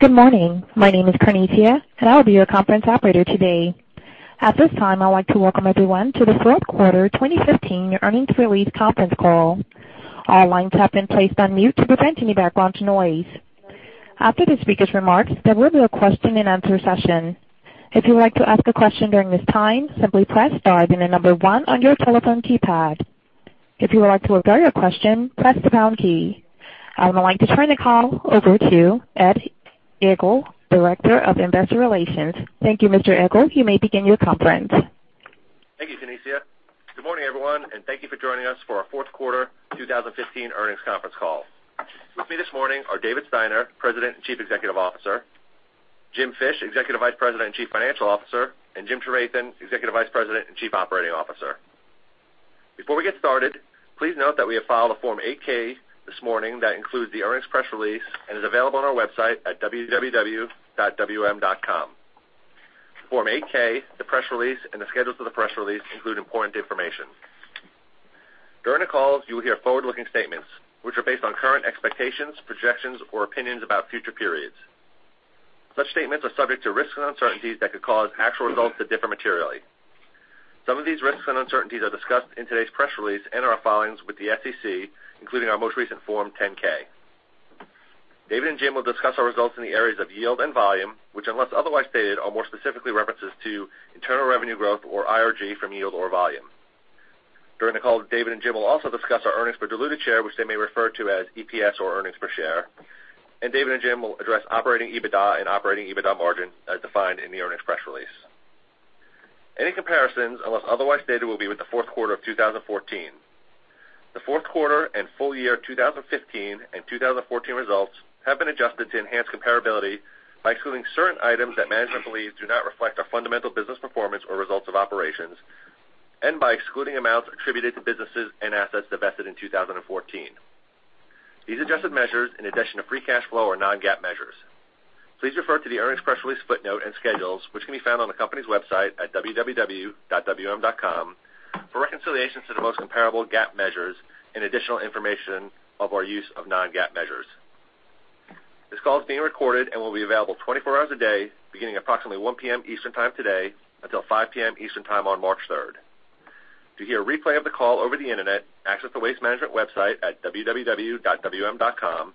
Good morning. My name is Carnitia, I'll be your conference operator today. At this time, I'd like to welcome everyone to the fourth quarter 2015 earnings release conference call. All lines have been placed on mute to prevent any background noise. After the speaker's remarks, there will be a question and answer session. If you would like to ask a question during this time, simply press star then the number 1 on your telephone keypad. If you would like to withdraw your question, press the pound key. I would like to turn the call over to Ed Egl, Director of Investor Relations. Thank you, Mr. Egl. You may begin your conference. Thank you, Carnitia. Good morning, everyone, thank you for joining us for our fourth quarter 2015 earnings conference call. With me this morning are David Steiner, President and Chief Executive Officer, Jim Fish, Executive Vice President and Chief Financial Officer, and Jim Trevathan, Executive Vice President and Chief Operating Officer. Before we get started, please note that we have filed a Form 8-K this morning that includes the earnings press release and is available on our website at www.wm.com. Form 8-K, the press release, and the schedules for the press release include important information. During the call, you will hear forward-looking statements, which are based on current expectations, projections, or opinions about future periods. Such statements are subject to risks and uncertainties that could cause actual results to differ materially. Some of these risks and uncertainties are discussed in today's press release and our filings with the SEC, including our most recent Form 10-K. David and Jim will discuss our results in the areas of yield and volume, which, unless otherwise stated, are more specifically references to internal revenue growth, or IRG, from yield or volume. During the call, David and Jim will also discuss our earnings per diluted share, which they may refer to as EPS or earnings per share. David and Jim will address operating EBITDA and operating EBITDA margin as defined in the earnings press release. Any comparisons, unless otherwise stated, will be with the fourth quarter of 2014. The fourth quarter and full year 2015 and 2014 results have been adjusted to enhance comparability by excluding certain items that management believes do not reflect our fundamental business performance or results of operations and by excluding amounts attributed to businesses and assets divested in 2014. These adjusted measures, in addition to free cash flow, are non-GAAP measures. Please refer to the earnings press release footnote and schedules, which can be found on the company's website at www.wm.com for reconciliations to the most comparable GAAP measures and additional information of our use of non-GAAP measures. This call is being recorded and will be available 24 hours a day, beginning approximately 1:00 P.M. Eastern time today until 5:00 P.M. Eastern time on March 3rd. To hear a replay of the call over the Internet, access the Waste Management website at www.wm.com.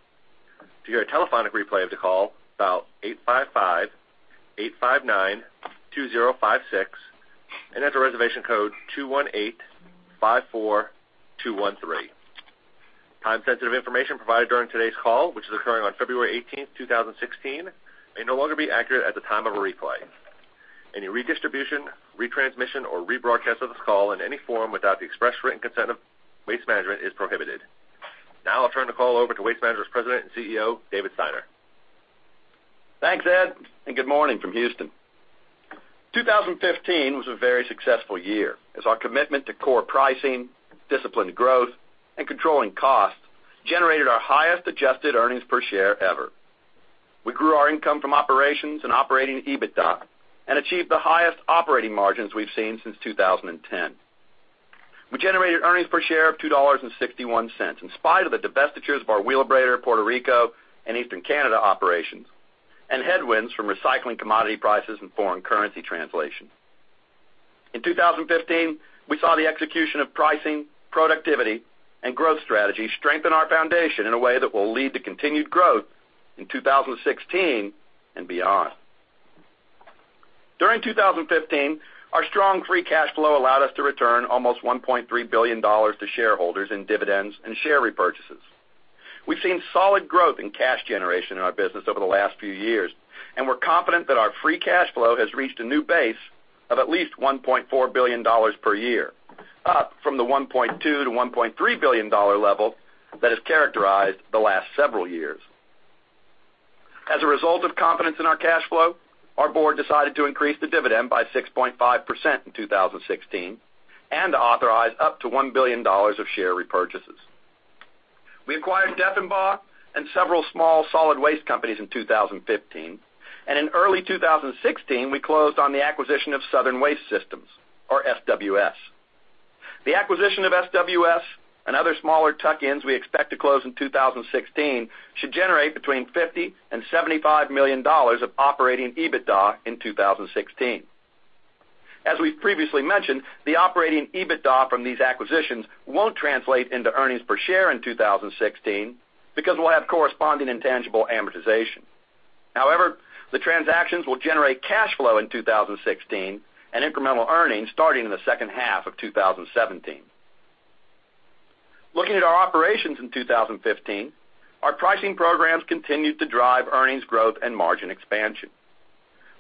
To hear a telephonic replay of the call, dial 855-859-2056 and enter reservation code 21854213. Time-sensitive information provided during today's call, which is occurring on February 18, 2016, may no longer be accurate at the time of a replay. Any redistribution, retransmission, or rebroadcast of this call in any form without the express written consent of Waste Management is prohibited. I'll turn the call over to Waste Management's President and CEO, David Steiner. Thanks, Ed. Good morning from Houston. 2015 was a very successful year as our commitment to core pricing, disciplined growth, and controlling costs generated our highest-adjusted earnings per share ever. We grew our income from operations and operating EBITDA and achieved the highest operating margins we've seen since 2010. We generated earnings per share of $2.61, in spite of the divestitures of our Wheelabrator Puerto Rico and Eastern Canada operations and headwinds from recycling commodity prices and foreign currency translation. In 2015, we saw the execution of pricing, productivity, and growth strategies strengthen our foundation in a way that will lead to continued growth in 2016 and beyond. During 2015, our strong free cash flow allowed us to return almost $1.3 billion to shareholders in dividends and share repurchases. We've seen solid growth in cash generation in our business over the last few years, and we're confident that our free cash flow has reached a new base of at least $1.4 billion per year, up from the $1.2 billion to $1.3 billion level that has characterized the last several years. As a result of confidence in our cash flow, our board decided to increase the dividend by 6.5% in 2016 and authorize up to $1 billion of share repurchases. We acquired Deffenbaugh and several small solid waste companies in 2015, and in early 2016, we closed on the acquisition of Southern Waste Systems, or SWS. The acquisition of SWS and other smaller tuck-ins we expect to close in 2016 should generate between $50 million and $75 million of operating EBITDA in 2016. As we've previously mentioned, the operating EBITDA from these acquisitions won't translate into earnings per share in 2016 because we'll have corresponding intangible amortization. However, the transactions will generate cash flow in 2016 and incremental earnings starting in the second half of 2017. Looking at our operations in 2015, our pricing programs continued to drive earnings growth and margin expansion.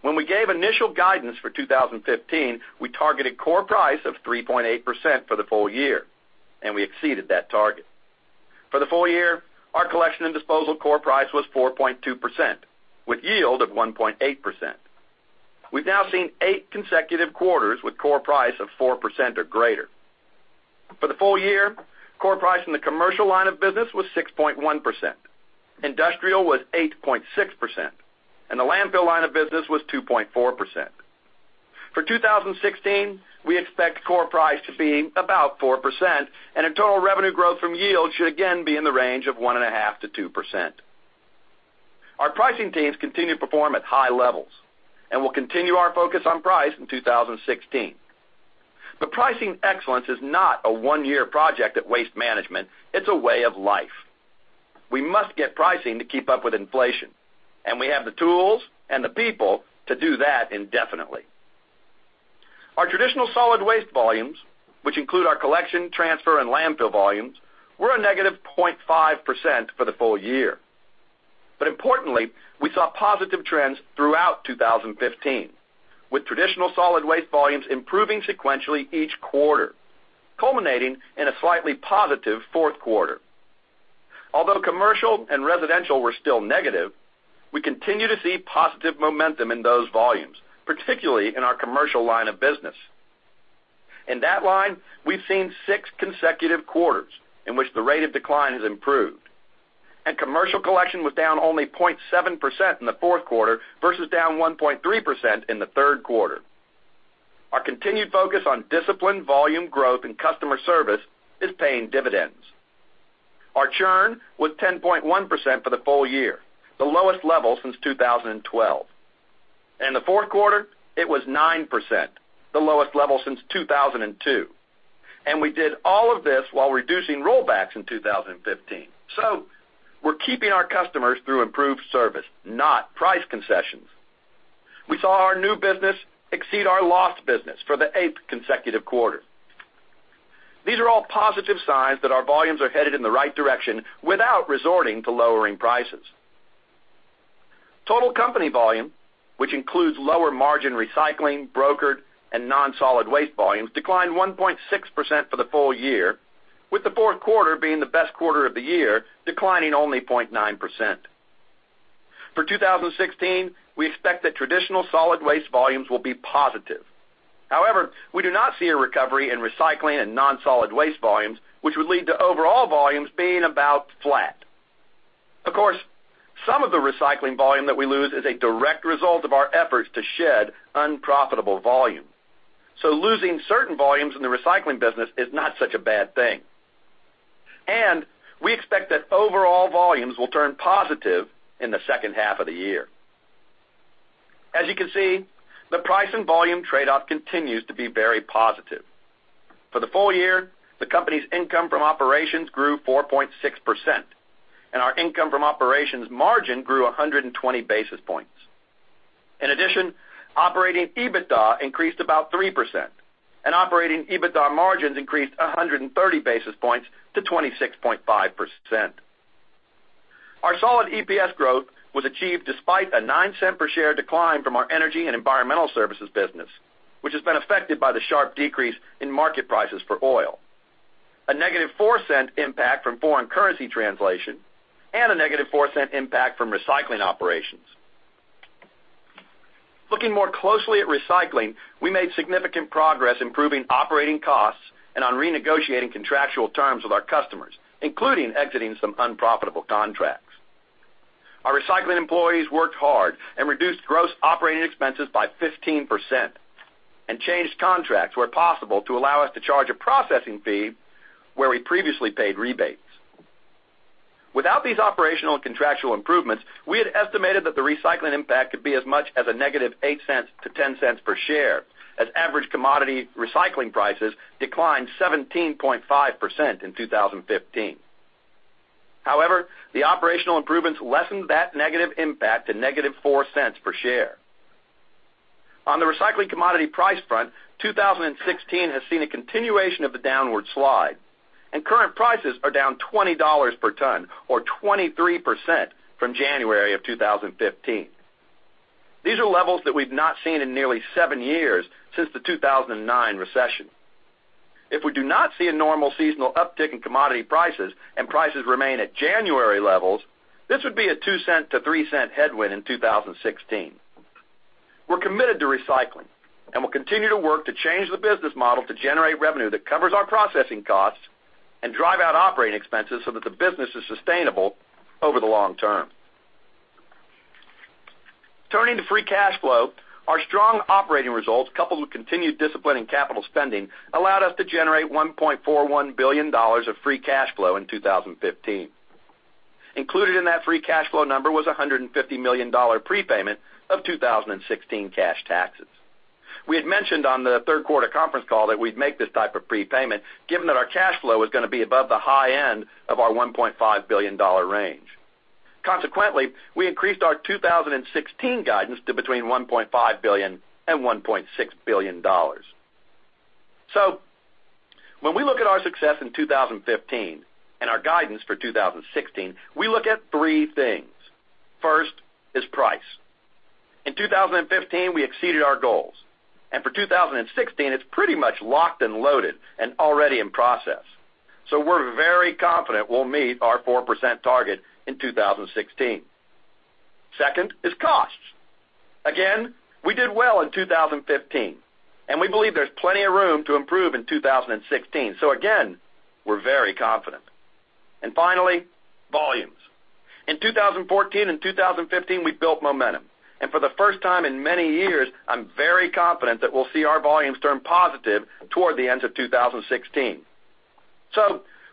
When we gave initial guidance for 2015, we targeted core price of 3.8% for the full year, and we exceeded that target. For the full year, our collection and disposal core price was 4.2%, with yield of 1.8%. We've now seen eight consecutive quarters with core price of 4% or greater. For the full year, core price in the commercial line of business was 6.1%, industrial was 8.6%, and the landfill line of business was 2.4%. For 2016, we expect core price to be about 4%, and our total revenue growth from yield should again be in the range of 1.5%-2%. Our pricing teams continue to perform at high levels, and we'll continue our focus on price in 2016. Pricing excellence is not a one-year project at Waste Management. It's a way of life. We must get pricing to keep up with inflation, and we have the tools and the people to do that indefinitely. Our traditional solid waste volumes, which include our collection, transfer, and landfill volumes, were a negative 0.5% for the full year. Importantly, we saw positive trends throughout 2015, with traditional solid waste volumes improving sequentially each quarter, culminating in a slightly positive fourth quarter. Although commercial and residential were still negative, we continue to see positive momentum in those volumes, particularly in our commercial line of business. In that line, we've seen six consecutive quarters in which the rate of decline has improved. Commercial collection was down only 0.7% in the fourth quarter versus down 1.3% in the third quarter. Our continued focus on disciplined volume growth and customer service is paying dividends. Our churn was 10.1% for the full year, the lowest level since 2012. In the fourth quarter, it was 9%, the lowest level since 2002. We did all of this while reducing rollbacks in 2015. We're keeping our customers through improved service, not price concessions. We saw our new business exceed our lost business for the eighth consecutive quarter. These are all positive signs that our volumes are headed in the right direction without resorting to lowering prices. Total company volume, which includes lower margin recycling, brokered and non-solid waste volumes, declined 1.6% for the full year, with the fourth quarter being the best quarter of the year, declining only 0.9%. For 2016, we expect that traditional solid waste volumes will be positive. However, we do not see a recovery in recycling and non-solid waste volumes, which would lead to overall volumes being about flat. Of course, some of the recycling volume that we lose is a direct result of our efforts to shed unprofitable volume. Losing certain volumes in the recycling business is not such a bad thing. We expect that overall volumes will turn positive in the second half of the year. As you can see, the price and volume trade-off continues to be very positive. For the full year, the company's income from operations grew 4.6%, and our income from operations margin grew 120 basis points. In addition, operating EBITDA increased about 3%, and operating EBITDA margins increased 130 basis points to 26.5%. Our solid EPS growth was achieved despite a $0.09 per share decline from our energy and environmental services business, which has been affected by the sharp decrease in market prices for oil, a negative $0.04 impact from foreign currency translation, and a negative $0.04 impact from recycling operations. Looking more closely at recycling, we made significant progress improving operating costs and on renegotiating contractual terms with our customers, including exiting some unprofitable contracts. Our recycling employees worked hard and reduced gross operating expenses by 15% and changed contracts where possible to allow us to charge a processing fee where we previously paid rebates. Without these operational and contractual improvements, we had estimated that the recycling impact could be as much as a negative $0.08-$0.10 per share, as average commodity recycling prices declined 17.5% in 2015. However, the operational improvements lessened that negative impact to negative $0.04 per share. On the recycling commodity price front, 2016 has seen a continuation of the downward slide, and current prices are down $20 per ton or 23% from January of 2015. These are levels that we've not seen in nearly seven years since the 2009 recession. If we do not see a normal seasonal uptick in commodity prices and prices remain at January levels, this would be a $0.02-$0.03 headwind in 2016. We're committed to recycling and will continue to work to change the business model to generate revenue that covers our processing costs and drive out operating expenses so that the business is sustainable over the long term. Turning to free cash flow, our strong operating results, coupled with continued discipline in capital spending, allowed us to generate $1.41 billion of free cash flow in 2015. Included in that free cash flow number was $150 million prepayment of 2016 cash taxes. We had mentioned on the third quarter conference call that we'd make this type of prepayment, given that our cash flow was going to be above the high end of our $1.5 billion range. Consequently, we increased our 2016 guidance to between $1.5 billion and $1.6 billion. When we look at our success in 2015 and our guidance for 2016, we look at three things. First is price. In 2015, we exceeded our goals. For 2016, it's pretty much locked and loaded and already in process. We're very confident we'll meet our 4% target in 2016. Second is costs. Again, we did well in 2015, and we believe there's plenty of room to improve in 2016. Again, we're very confident. Finally, volumes. In 2014 and 2015, we built momentum. For the first time in many years, I'm very confident that we'll see our volumes turn positive toward the end of 2016.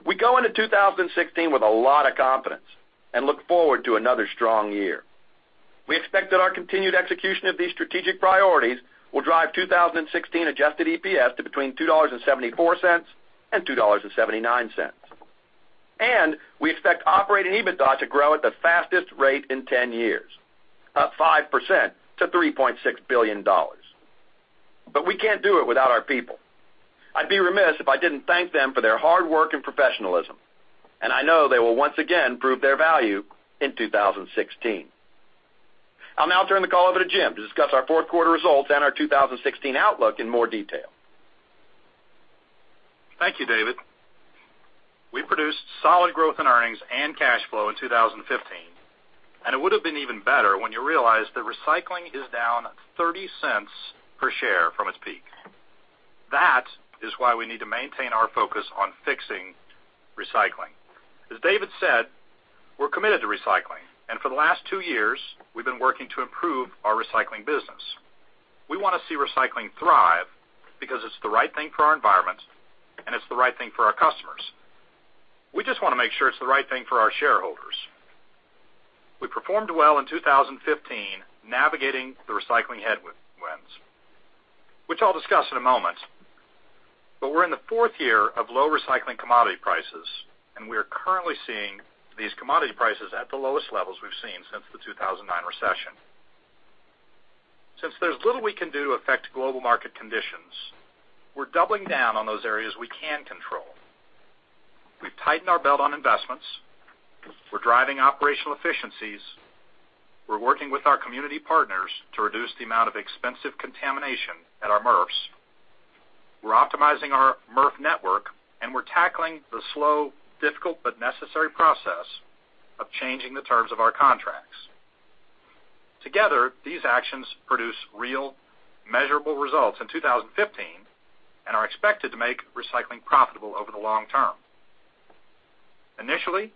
We go into 2016 with a lot of confidence and look forward to another strong year. We expect that our continued execution of these strategic priorities will drive 2016 adjusted EPS to between $2.74 and $2.79. We expect operating EBITDA to grow at the fastest rate in 10 years, up 5% to $3.6 billion. We can't do it without our people. I'd be remiss if I didn't thank them for their hard work and professionalism, and I know they will once again prove their value in 2016. I'll now turn the call over to Jim to discuss our fourth quarter results and our 2016 outlook in more detail. Thank you, David. We produced solid growth in earnings and cash flow in 2015, and it would've been even better when you realize that recycling is down $0.30 per share from its peak. That is why we need to maintain our focus on fixing recycling. As David said, we're committed to recycling, and for the last two years, we've been working to improve our recycling business. We want to see recycling thrive because it's the right thing for our environment, and it's the right thing for our customers. We just want to make sure it's the right thing for our shareholders. We performed well in 2015 navigating the recycling headwinds, which I'll discuss in a moment. We're in the fourth year of low recycling commodity prices, and we are currently seeing these commodity prices at the lowest levels we've seen since the 2009 recession. Since there's little we can do to affect global market conditions, we're doubling down on those areas we can control. We've tightened our belt on investments. We're driving operational efficiencies. We're working with our community partners to reduce the amount of expensive contamination at our MRFs. We're optimizing our MRF network, and we're tackling the slow, difficult, but necessary process of changing the terms of our contracts. Together, these actions produce real, measurable results in 2015 and are expected to make recycling profitable over the long term. Initially,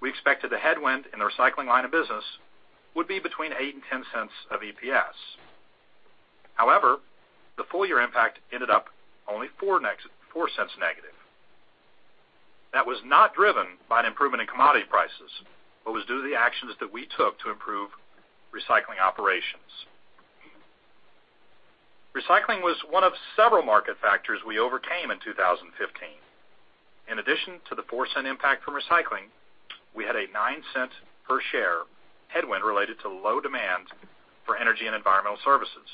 we expected the headwind in the recycling line of business would be between $0.08 and $0.10 of EPS. However, the full-year impact ended up only $0.04 negative. That was not driven by an improvement in commodity prices, but was due to the actions that we took to improve recycling operations. Recycling was one of several market factors we overcame in 2015. In addition to the $0.04 impact from recycling, we had a $0.09 per share headwind related to low demand for energy and environmental services,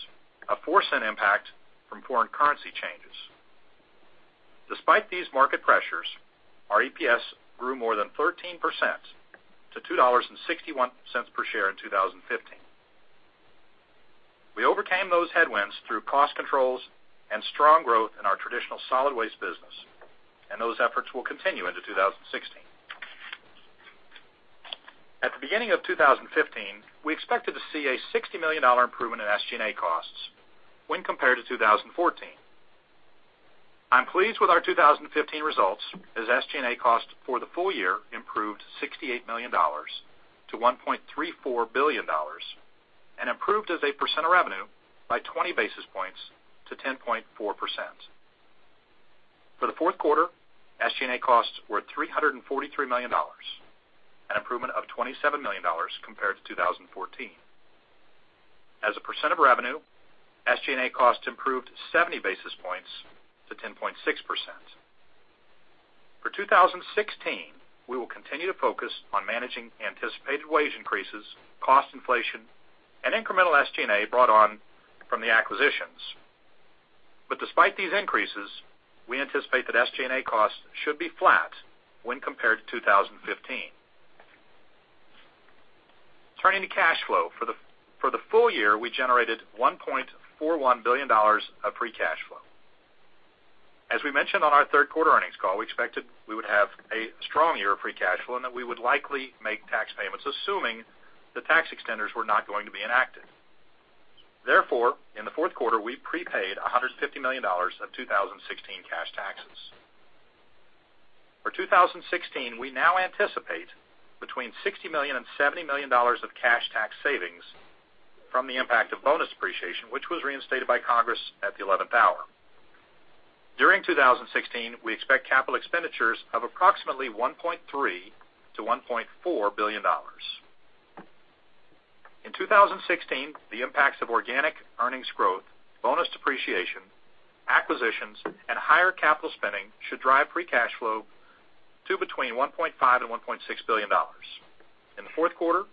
a $0.04 impact from foreign currency changes. Despite these market pressures, our EPS grew more than 13% to $2.61 per share in 2015. We overcame those headwinds through cost controls and strong growth in our traditional solid waste business, and those efforts will continue into 2016. At the beginning of 2015, we expected to see a $60 million improvement in SG&A costs when compared to 2014. I'm pleased with our 2015 results, as SG&A costs for the full year improved $68 million to $1.34 billion and improved as a percent of revenue by 20 basis points to 10.4%. For the fourth quarter, SG&A costs were $343 million, an improvement of $27 million compared to 2014. As a percent of revenue, SG&A costs improved 70 basis points to 10.6%. For 2016, we will continue to focus on managing anticipated wage increases, cost inflation, and incremental SG&A brought on from the acquisitions. Despite these increases, we anticipate that SG&A costs should be flat when compared to 2015. Turning to cash flow. For the full year, we generated $1.41 billion of free cash flow. As we mentioned on our third-quarter earnings call, we expected we would have a strong year of free cash flow and that we would likely make tax payments, assuming the tax extenders were not going to be enacted. Therefore, in the fourth quarter, we prepaid $150 million of 2016 cash taxes. For 2016, we now anticipate between $60 million and $70 million of cash tax savings from the impact of bonus depreciation, which was reinstated by Congress at the 11th hour. During 2016, we expect capital expenditures of approximately $1.3 billion-$1.4 billion. In 2016, the impacts of organic earnings growth, bonus depreciation, acquisitions, and higher capital spending should drive free cash flow to between $1.5 billion and $1.6 billion. In the fourth quarter,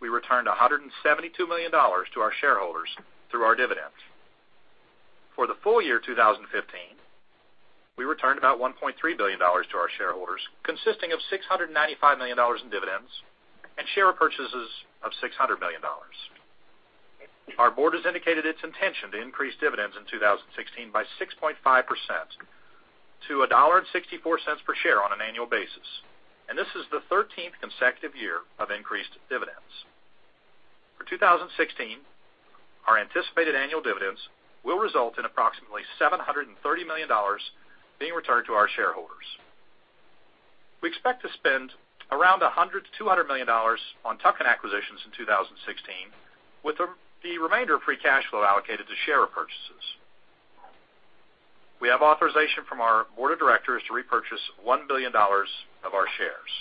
we returned $172 million to our shareholders through our dividends. For the full year 2015, we returned about $1.3 billion to our shareholders, consisting of $695 million in dividends and share purchases of $600 million. Our board has indicated its intention to increase dividends in 2016 by 6.5% to $1.64 per share on an annual basis. This is the 13th consecutive year of increased dividends. For 2016, our anticipated annual dividends will result in approximately $730 million being returned to our shareholders. We expect to spend around $100 million-$200 million on tuck-in acquisitions in 2016, with the remainder of free cash flow allocated to share purchases. We have authorization from our board of directors to repurchase $1 billion of our shares.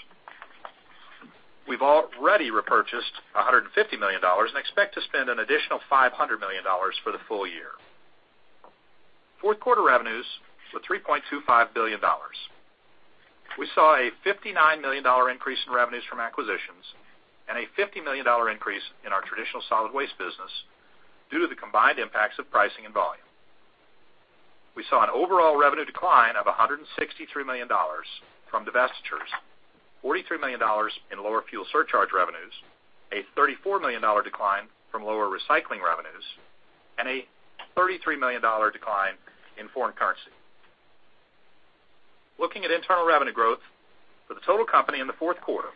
We've already repurchased $150 million and expect to spend an additional $500 million for the full year. Fourth quarter revenues were $3.25 billion. We saw a $59 million increase in revenues from acquisitions and a $50 million increase in our traditional solid waste business due to the combined impacts of pricing and volume. We saw an overall revenue decline of $163 million from divestitures, $43 million in lower fuel surcharge revenues, a $34 million decline from lower recycling revenues, and a $33 million decline in foreign currency. Looking at internal revenue growth for the total company in the fourth quarter,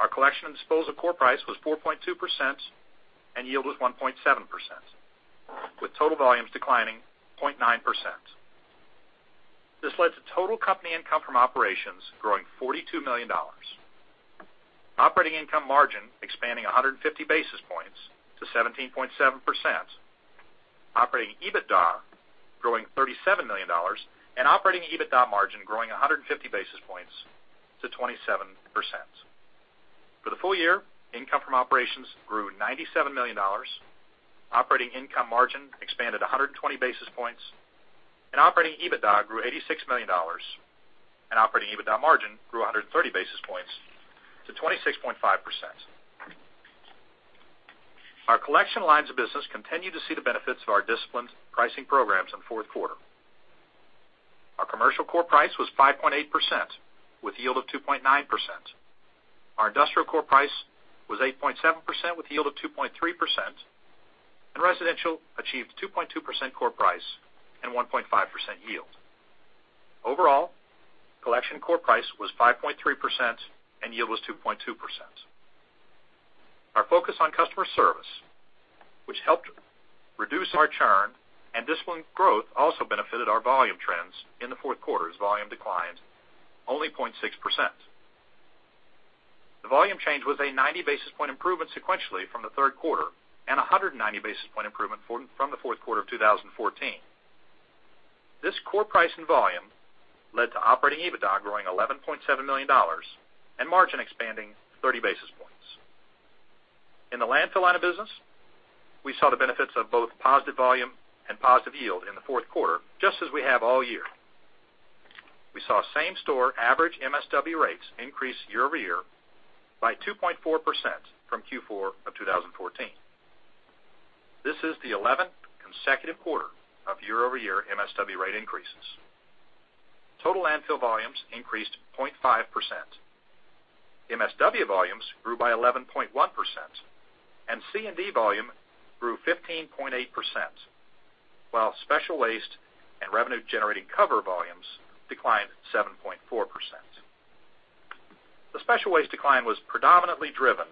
our collection and disposal core price was 4.2% and yield was 1.7%, with total volumes declining 0.9%. This led to total company income from operations growing $42 million, operating income margin expanding 150 basis points to 17.7%, operating EBITDA growing $37 million, and operating EBITDA margin growing 150 basis points to 27%. For the full year, income from operations grew $97 million, operating income margin expanded 120 basis points, and operating EBITDA grew $86 million, and operating EBITDA margin grew 130 basis points to 26.5%. Our collection lines of business continued to see the benefits of our disciplined pricing programs in the fourth quarter. Our commercial core price was 5.8%, with yield of 2.9%. Our industrial core price was 8.7%, with yield of 2.3%, and residential achieved 2.2% core price and 1.5% yield. Overall, collection core price was 5.3%, and yield was 2.2%. Our focus on customer service, which helped reduce our churn and disciplined growth, also benefited our volume trends in the fourth quarter as volume declined only 0.6%. The volume change was a 90 basis point improvement sequentially from the third quarter and 190 basis point improvement from the fourth quarter of 2014. This core price and volume led to operating EBITDA growing $11.7 million and margin expanding 30 basis points. In the landfill line of business, we saw the benefits of both positive volume and positive yield in the fourth quarter, just as we have all year. We saw same-store average MSW rates increase year-over-year by 2.4% from Q4 of 2014. This is the 11th consecutive quarter of year-over-year MSW rate increases. Total landfill volumes increased 0.5%. MSW volumes grew by 11.1%. C&D volume grew 15.8%, while special waste and revenue-generating cover volumes declined 7.4%. The special waste decline was predominantly driven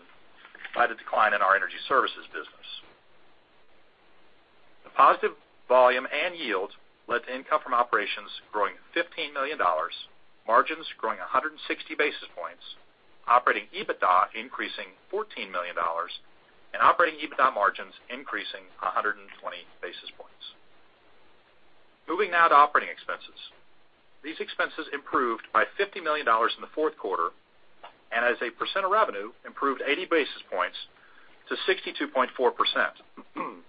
by the decline in our energy services business. The positive volume and yield led to income from operations growing $15 million, margins growing 160 basis points, operating EBITDA increasing $14 million, operating EBITDA margins increasing 120 basis points. Moving now to operating expenses. These expenses improved by $50 million in the fourth quarter, as a percent of revenue, improved 80 basis points to 62.4%.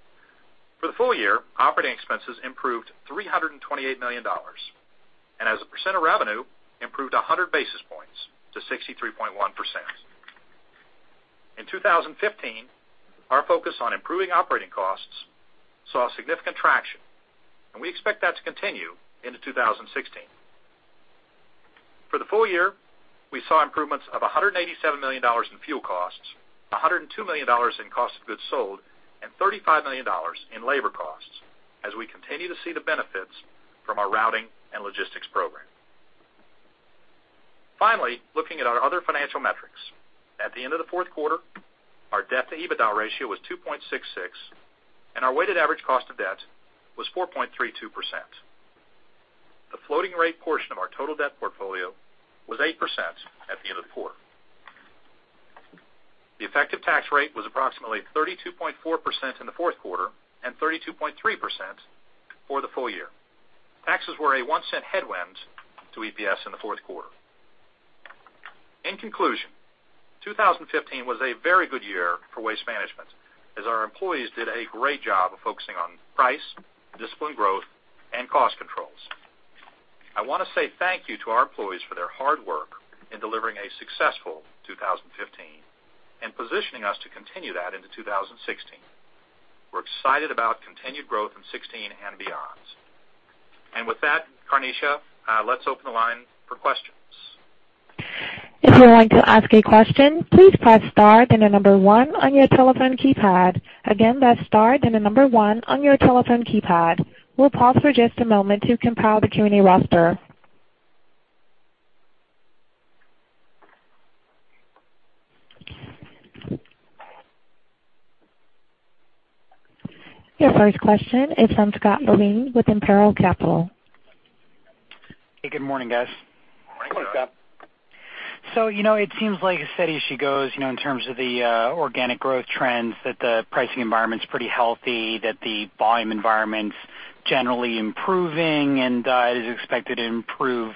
For the full year, operating expenses improved $328 million as a percent of revenue, improved 100 basis points to 63.1%. In 2015, our focus on improving operating costs saw significant traction. We expect that to continue into 2016. For the full year, we saw improvements of $187 million in fuel costs, $102 million in cost of goods sold, $35 million in labor costs as we continue to see the benefits from our routing and logistics program. Finally, looking at our other financial metrics. At the end of the fourth quarter, our debt to EBITDA ratio was 2.66. Our weighted average cost of debt was 4.32%. The floating rate portion of our total debt portfolio was 8% at the end of the quarter. The effective tax rate was approximately 32.4% in the fourth quarter 32.3% for the full year. Taxes were a $0.01 headwind to EPS in the fourth quarter. In conclusion, 2015 was a very good year for Waste Management as our employees did a great job of focusing on price, disciplined growth, and cost controls. I want to say thank you to our employees for their hard work in delivering a successful 2015 positioning us to continue that into 2016. We're excited about continued growth in 2016 and beyond. With that, Carnitia, let's open the line for questions. If you would like to ask a question, please press star, then the number one on your telephone keypad. Again, that's star, then the number one on your telephone keypad. We'll pause for just a moment to compile the community roster. Your first question is from Scott Levine with Imperial Capital. Hey, good morning, guys. Good morning, Scott. It seems like steady as she goes, in terms of the organic growth trends, that the pricing environment's pretty healthy, that the volume environment's generally improving and is expected to improve,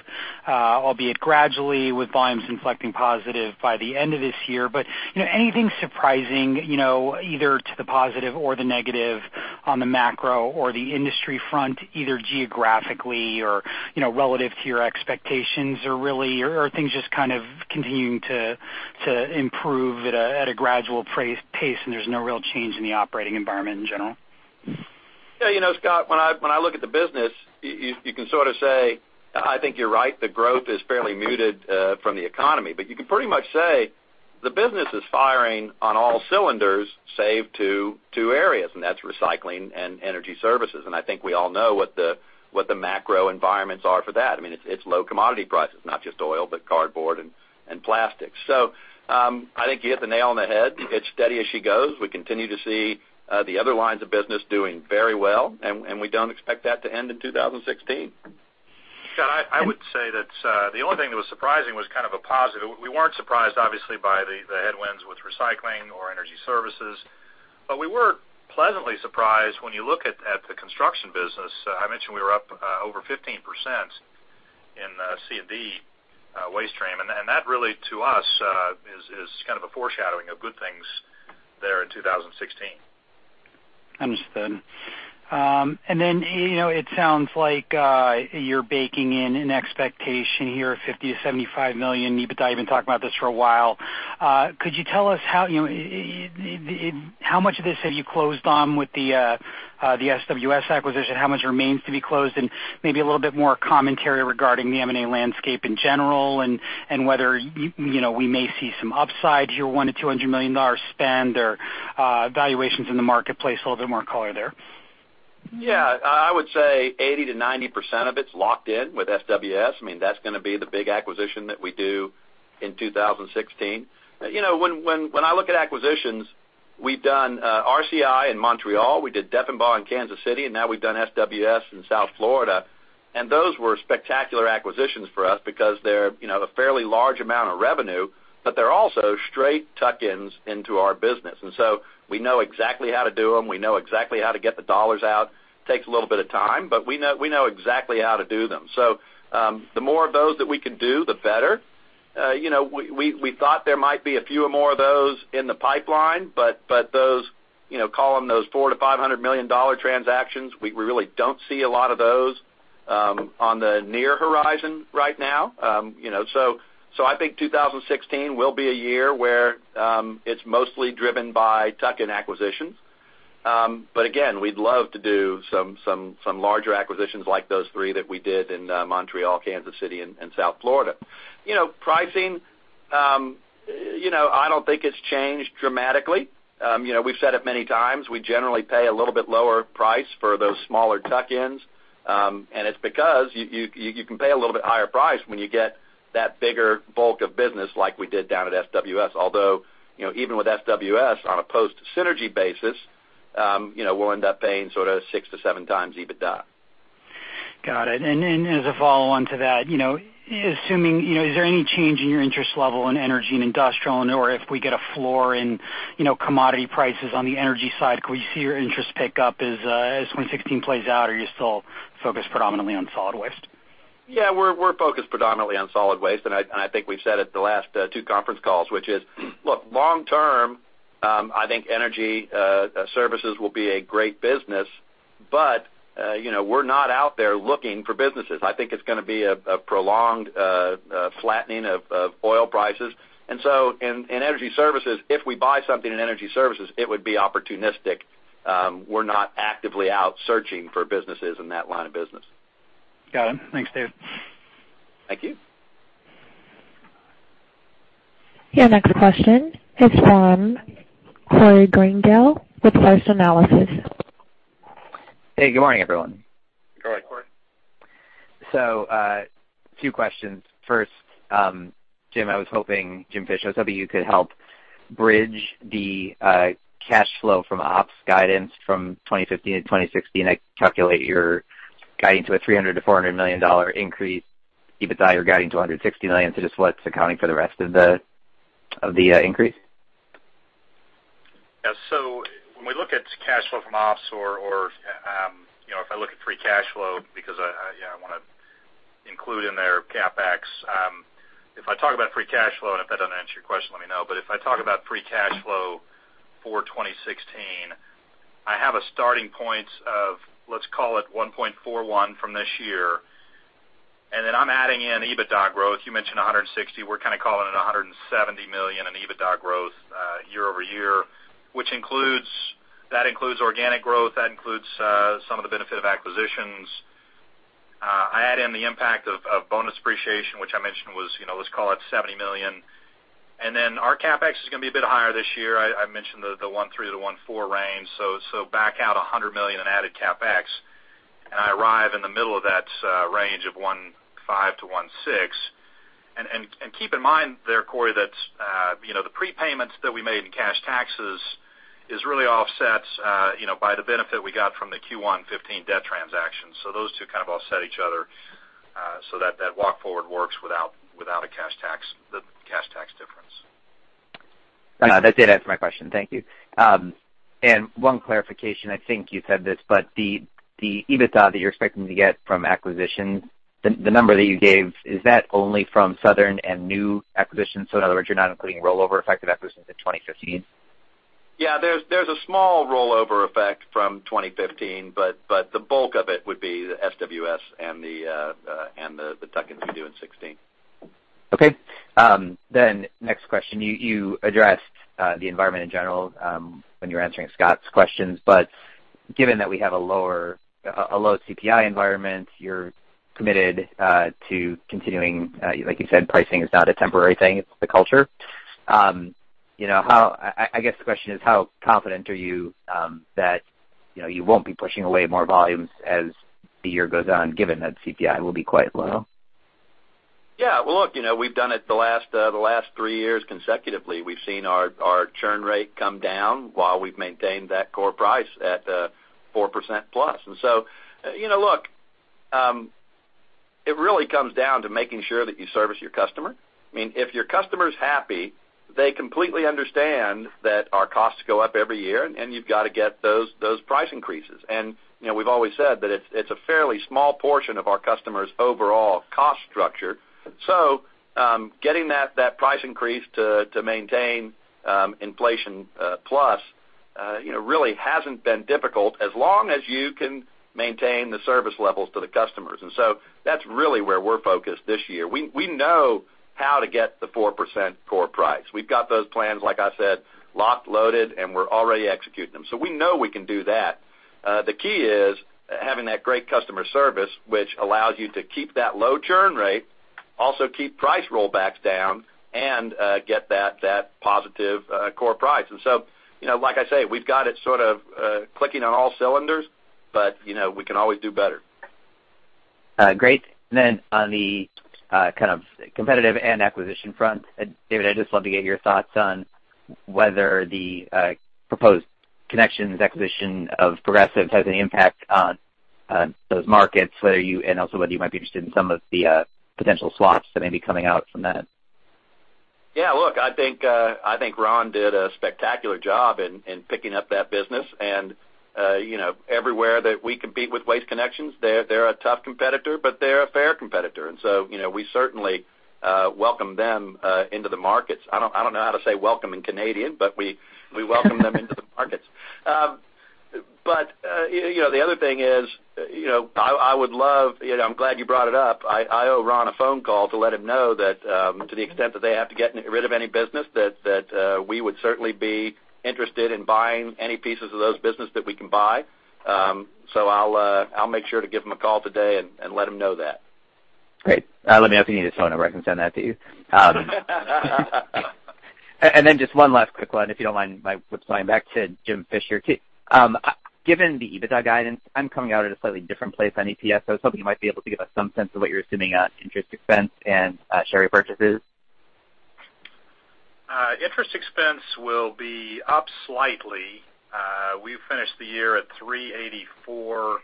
albeit gradually, with volumes inflecting positive by the end of this year. Anything surprising, either to the positive or the negative on the macro or the industry front, either geographically or relative to your expectations? Really are things just kind of continuing to improve at a gradual pace, and there's no real change in the operating environment in general? Yeah, Scott, when I look at the business, you can sort of say, I think you're right, the growth is fairly muted from the economy. You can pretty much say the business is firing on all cylinders, save two areas, and that's recycling and energy services. I think we all know what the macro environments are for that. I mean, it's low commodity prices, not just oil, but cardboard and plastics. I think you hit the nail on the head. It's steady as she goes. We continue to see the other lines of business doing very well, and we don't expect that to end in 2016. Scott, I would say that the only thing that was surprising was kind of a positive. We weren't surprised, obviously, by the headwinds with recycling or energy services. We were pleasantly surprised when you look at the construction business. I mentioned we were up over 15% in C&D waste stream, and that really to us, is kind of a foreshadowing of good things there in 2016. Understood. It sounds like you're baking in an expectation here of $50 million-$75 million. You've been talking about this for a while. Could you tell us how much of this have you closed on with the SWS acquisition? How much remains to be closed? Maybe a little bit more commentary regarding the M&A landscape in general and whether we may see some upside here, $100 million-$200 million spend or valuations in the marketplace, a little bit more color there. I would say 80%-90% of it's locked in with SWS. I mean, that's going to be the big acquisition that we do in 2016. When I look at acquisitions, we've done RCI in Montreal, we did Deffenbaugh in Kansas City, and now we've done SWS in South Florida. Those were spectacular acquisitions for us because they're a fairly large amount of revenue, but they're also straight tuck-ins into our business. We know exactly how to do them. We know exactly how to get the dollars out. Takes a little bit of time, but we know exactly how to do them. The more of those that we can do, the better. We thought there might be a few more of those in the pipeline, but those, call them those $400 million-$500 million transactions, we really don't see a lot of those on the near horizon right now. I think 2016 will be a year where it's mostly driven by tuck-in acquisitions. Again, we'd love to do some larger acquisitions like those three that we did in Montreal, Kansas City and South Florida. Pricing, I don't think it's changed dramatically. We've said it many times. We generally pay a little bit lower price for those smaller tuck-ins. It's because you can pay a little bit higher price when you get that bigger bulk of business like we did down at SWS. Although, even with SWS on a post synergy basis, we'll end up paying sort of 6-7 times EBITDA. Got it. As a follow-on to that, assuming, is there any change in your interest level in energy and industrial? Or if we get a floor in commodity prices on the energy side, could we see your interest pick up as 2016 plays out? Or are you still focused predominantly on solid waste? Yeah, we're focused predominantly on solid waste, I think we've said it the last two conference calls, which is look, long term, I think energy services will be a great business, but we're not out there looking for businesses. I think it's going to be a prolonged flattening of oil prices. So in energy services, if we buy something in energy services, it would be opportunistic. We're not actively out searching for businesses in that line of business. Got it. Thanks, Dave. Thank you. Your next question is from Corey Greendale with First Analysis. Hey, good morning, everyone. Good morning, Corey. Two questions. First, Jim, I was hoping, Jim Fish, I was hoping you could help bridge the cash flow from ops guidance from 2015 to 2016. I calculate you're guiding to a $300 million-$400 million increase. EBITDA, you're guiding to $160 million. Just what's accounting for the rest of the increase? Yeah. When we look at cash flow from ops or if I look at free cash flow because I want to include in there CapEx. If I talk about free cash flow, if that doesn't answer your question, let me know. If I talk about free cash flow for 2016, I have a starting point of, let's call it $1.41 from this year, and then I'm adding in EBITDA growth. You mentioned $160. We're kind of calling it $170 million in EBITDA growth year-over-year, that includes organic growth. That includes some of the benefit of acquisitions. I add in the impact of bonus depreciation, which I mentioned was, let's call it $70 million. Our CapEx is going to be a bit higher this year. I mentioned the $1.3 billion-$1.4 billion range, back out $100 million in added CapEx, I arrive in the middle of that range of $1.5 billion-$1.6 billion. Keep in mind there, Corey, that the prepayments that we made in cash taxes is really offsets by the benefit we got from the Q1 2015 debt transaction. Those two kind of offset each other, that walk forward works without the cash tax difference. That did answer my question. Thank you. One clarification, I think you said this, the EBITDA that you're expecting to get from acquisitions, the number that you gave, is that only from Southern and new acquisitions? In other words, you're not including rollover effect of acquisitions in 2015? Yeah, there's a small rollover effect from 2015, but the bulk of it would be the SWS and the tuck-ins we do in 2016. Next question, you addressed the environment in general when you were answering Scott's questions. Given that we have a low CPI environment, you're committed to continuing, like you said, pricing is not a temporary thing, it's the culture. I guess the question is how confident are you that you won't be pushing away more volumes as the year goes on, given that CPI will be quite low? Well, look, we've done it the last three years consecutively. We've seen our churn rate come down while we've maintained that core price at 4% plus. It really comes down to making sure that you service your customer. If your customer's happy, they completely understand that our costs go up every year, and you've got to get those price increases. We've always said that it's a fairly small portion of our customer's overall cost structure. Getting that price increase to maintain inflation plus really hasn't been difficult as long as you can maintain the service levels to the customers. That's really where we're focused this year. We know how to get the 4% core price. We've got those plans, like I said, locked, loaded, and we're already executing them. We know we can do that. The key is having that great customer service, which allows you to keep that low churn rate, also keep price rollbacks down and get that positive core price. Like I say, we've got it sort of clicking on all cylinders, but we can always do better. Great. On the kind of competitive and acquisition front, David, I'd just love to get your thoughts on whether the proposed Connections acquisition of Progressive has any impact on those markets, and also whether you might be interested in some of the potential slots that may be coming out from that. Yeah, look, I think Ron did a spectacular job in picking up that business. Everywhere that we compete with Waste Connections, they're a tough competitor, but they're a fair competitor. We certainly welcome them into the markets. I don't know how to say welcome in Canadian, but we welcome them into the markets. The other thing is, I'm glad you brought it up. I owe Ron a phone call to let him know that to the extent that they have to get rid of any business, that we would certainly be interested in buying any pieces of those business that we can buy. I'll make sure to give him a call today and let him know that. Great. Let me know if you need his phone number. I can send that to you. Just one last quick one, if you don't mind my whip swaying back to Jim Fish too. Given the EBITDA guidance, I'm coming out at a slightly different place on EPS, I was hoping you might be able to give us some sense of what you're assuming on interest expense and share repurchases. Interest expense will be up slightly. We finished the year at $384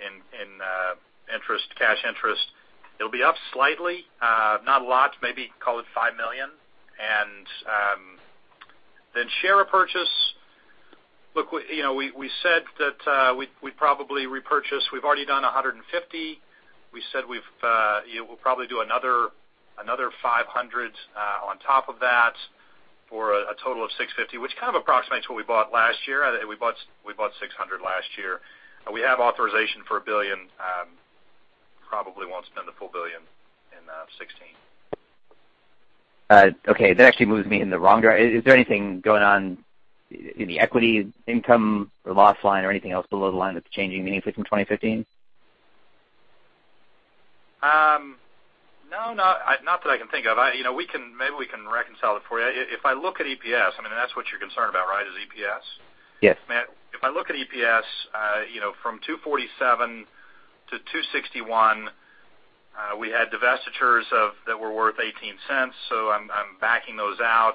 in cash interest. It'll be up slightly, not a lot, maybe call it $5 million. Share repurchase, we said that we'd probably repurchase, we've already done $150. We said we'll probably do another $500 on top of that for a total of $650, which kind of approximates what we bought last year. We bought $600 last year. We have authorization for $1 billion. Probably won't spend the full $1 billion in 2016. Okay. That actually moves me in the wrong direction. Is there anything going on in the equity income or loss line or anything else below the line that's changing meaningfully from 2015? No, not that I can think of. Maybe we can reconcile it for you. If I look at EPS, I mean, that's what you're concerned about, right, is EPS? Yes. If I look at EPS from $2.47 to $2.61, we had divestitures that were worth $0.18. I'm backing those out.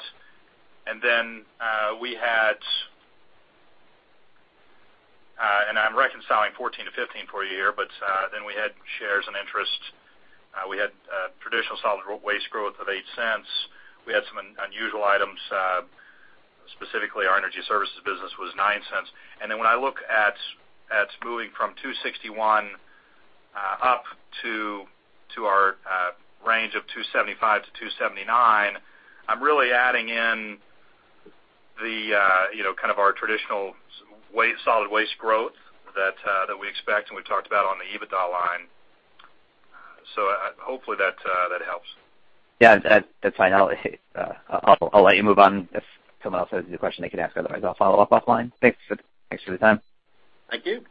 I'm reconciling 2014 to 2015 for you here, but then we had shares and interest. We had traditional solid waste growth of $0.08. We had some unusual items, specifically our energy services business was $0.09. When I look at moving from $2.61 up to our range of $2.75-$2.79, I'm really adding in kind of our traditional solid waste growth that we expect and we've talked about on the EBITDA line. Hopefully that helps. Yeah, that's fine. I'll let you move on. If someone else has a question they can ask, otherwise I'll follow up offline. Thanks for the time. Thank you.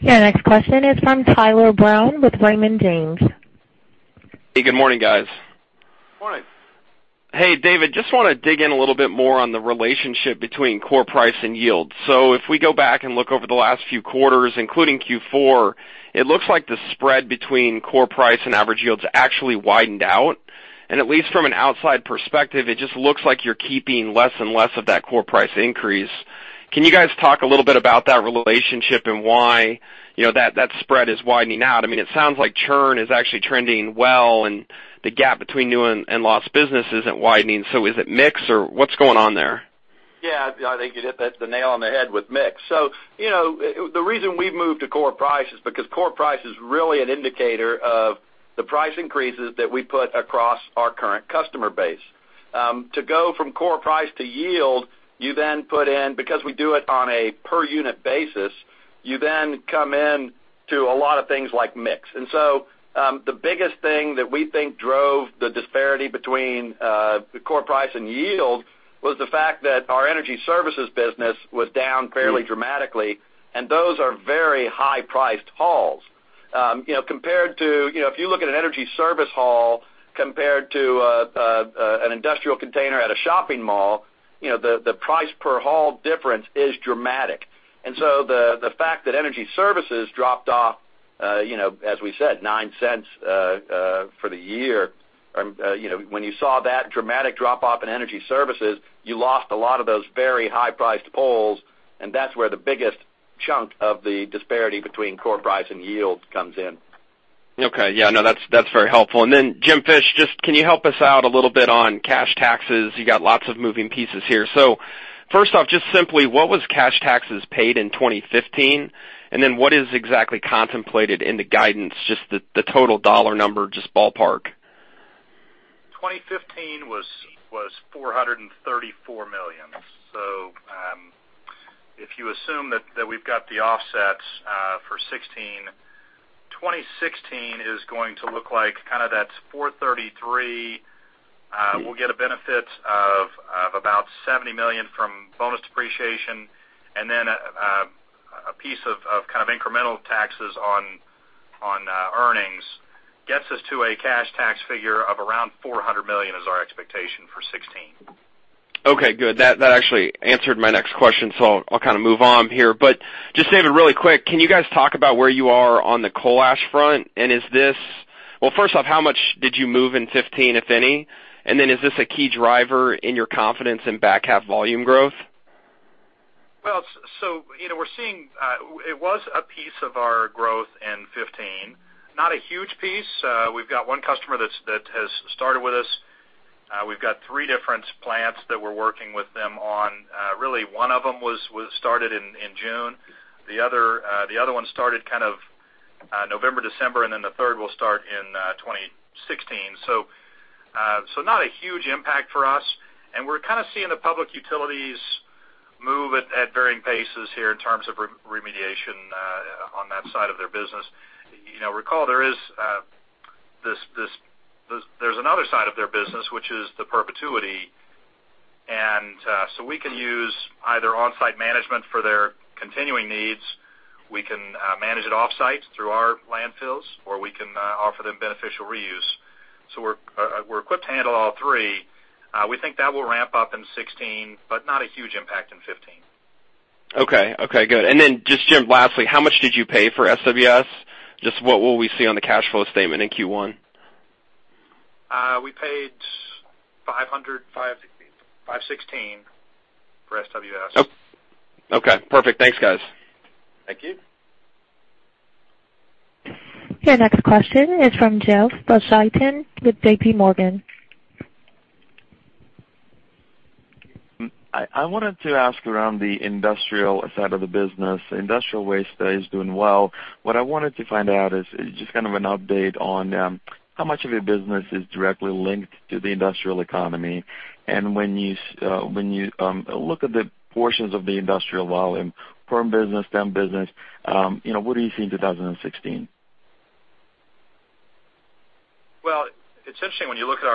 Yeah, next question is from Tyler Brown with Raymond James. Hey, good morning, guys. Morning. Hey, David, just want to dig in a little bit more on the relationship between core price and yield. If we go back and look over the last few quarters, including Q4, it looks like the spread between core price and average yields actually widened out, at least from an outside perspective, it just looks like you're keeping less and less of that core price increase. Can you guys talk a little bit about that relationship and why that spread is widening out? It sounds like churn is actually trending well, and the gap between new and lost business isn't widening. Is it mix, or what's going on there? Yeah, I think you hit the nail on the head with mix. The reason we've moved to core price is because core price is really an indicator of the price increases that we put across our current customer base. To go from core price to yield, you then put in, because we do it on a per unit basis, you then come in to a lot of things like mix. The biggest thing that we think drove the disparity between the core price and yield was the fact that our energy services business was down fairly dramatically, and those are very high-priced hauls. If you look at an energy service haul compared to an industrial container at a shopping mall, the price per haul difference is dramatic. The fact that energy services dropped off, as we said, $0.09 for the year, when you saw that dramatic drop-off in energy services, you lost a lot of those very high-priced hauls, and that's where the biggest chunk of the disparity between core price and yield comes in. Okay. Yeah, no, that's very helpful. Jim Fish, just can you help us out a little bit on cash taxes? You got lots of moving pieces here. First off, just simply what was cash taxes paid in 2015? What is exactly contemplated in the guidance, just the total dollar number, just ballpark. 2015 was $434 million. If you assume that we've got the offsets for 2016 is going to look like that $433, we'll get a benefit of about $70 million from bonus depreciation, and then a piece of kind of incremental taxes on earnings gets us to a cash tax figure of around $400 million is our expectation for 2016. Okay, good. That actually answered my next question, so I'll kind of move on here. Just David, really quick, can you guys talk about where you are on the coal ash front? First off, how much did you move in 2015, if any? Is this a key driver in your confidence in back half volume growth? We're seeing it was a piece of our growth in 2015. Not a huge piece. We've got one customer that has started with us. We've got three different plants that we're working with them on. Really one of them was started in June. The other one started kind of November, December, and then the third will start in 2016. Not a huge impact for us, and we're kind of seeing the public utilities move at varying paces here in terms of remediation on that side of their business. Recall, there's another side of their business, which is the perpetuity. We can use either on-site management for their continuing needs. We can manage it off-site through our landfills, or we can offer them beneficial reuse. We're equipped to handle all three. We think that will ramp up in 2016, but not a huge impact in 2015. Okay. Good. Then just Jim, lastly, how much did you pay for SWS? Just what will we see on the cash flow statement in Q1? We paid $516 for SWS. Okay, perfect. Thanks, guys. Thank you. Your next question is from Geoffrey Belsher with JP Morgan. I wanted to ask around the industrial side of the business. Industrial Waste is doing well. When you look at the portions of the industrial volume firm business, stream business, what do you see in 2016? Well, it's interesting when you look at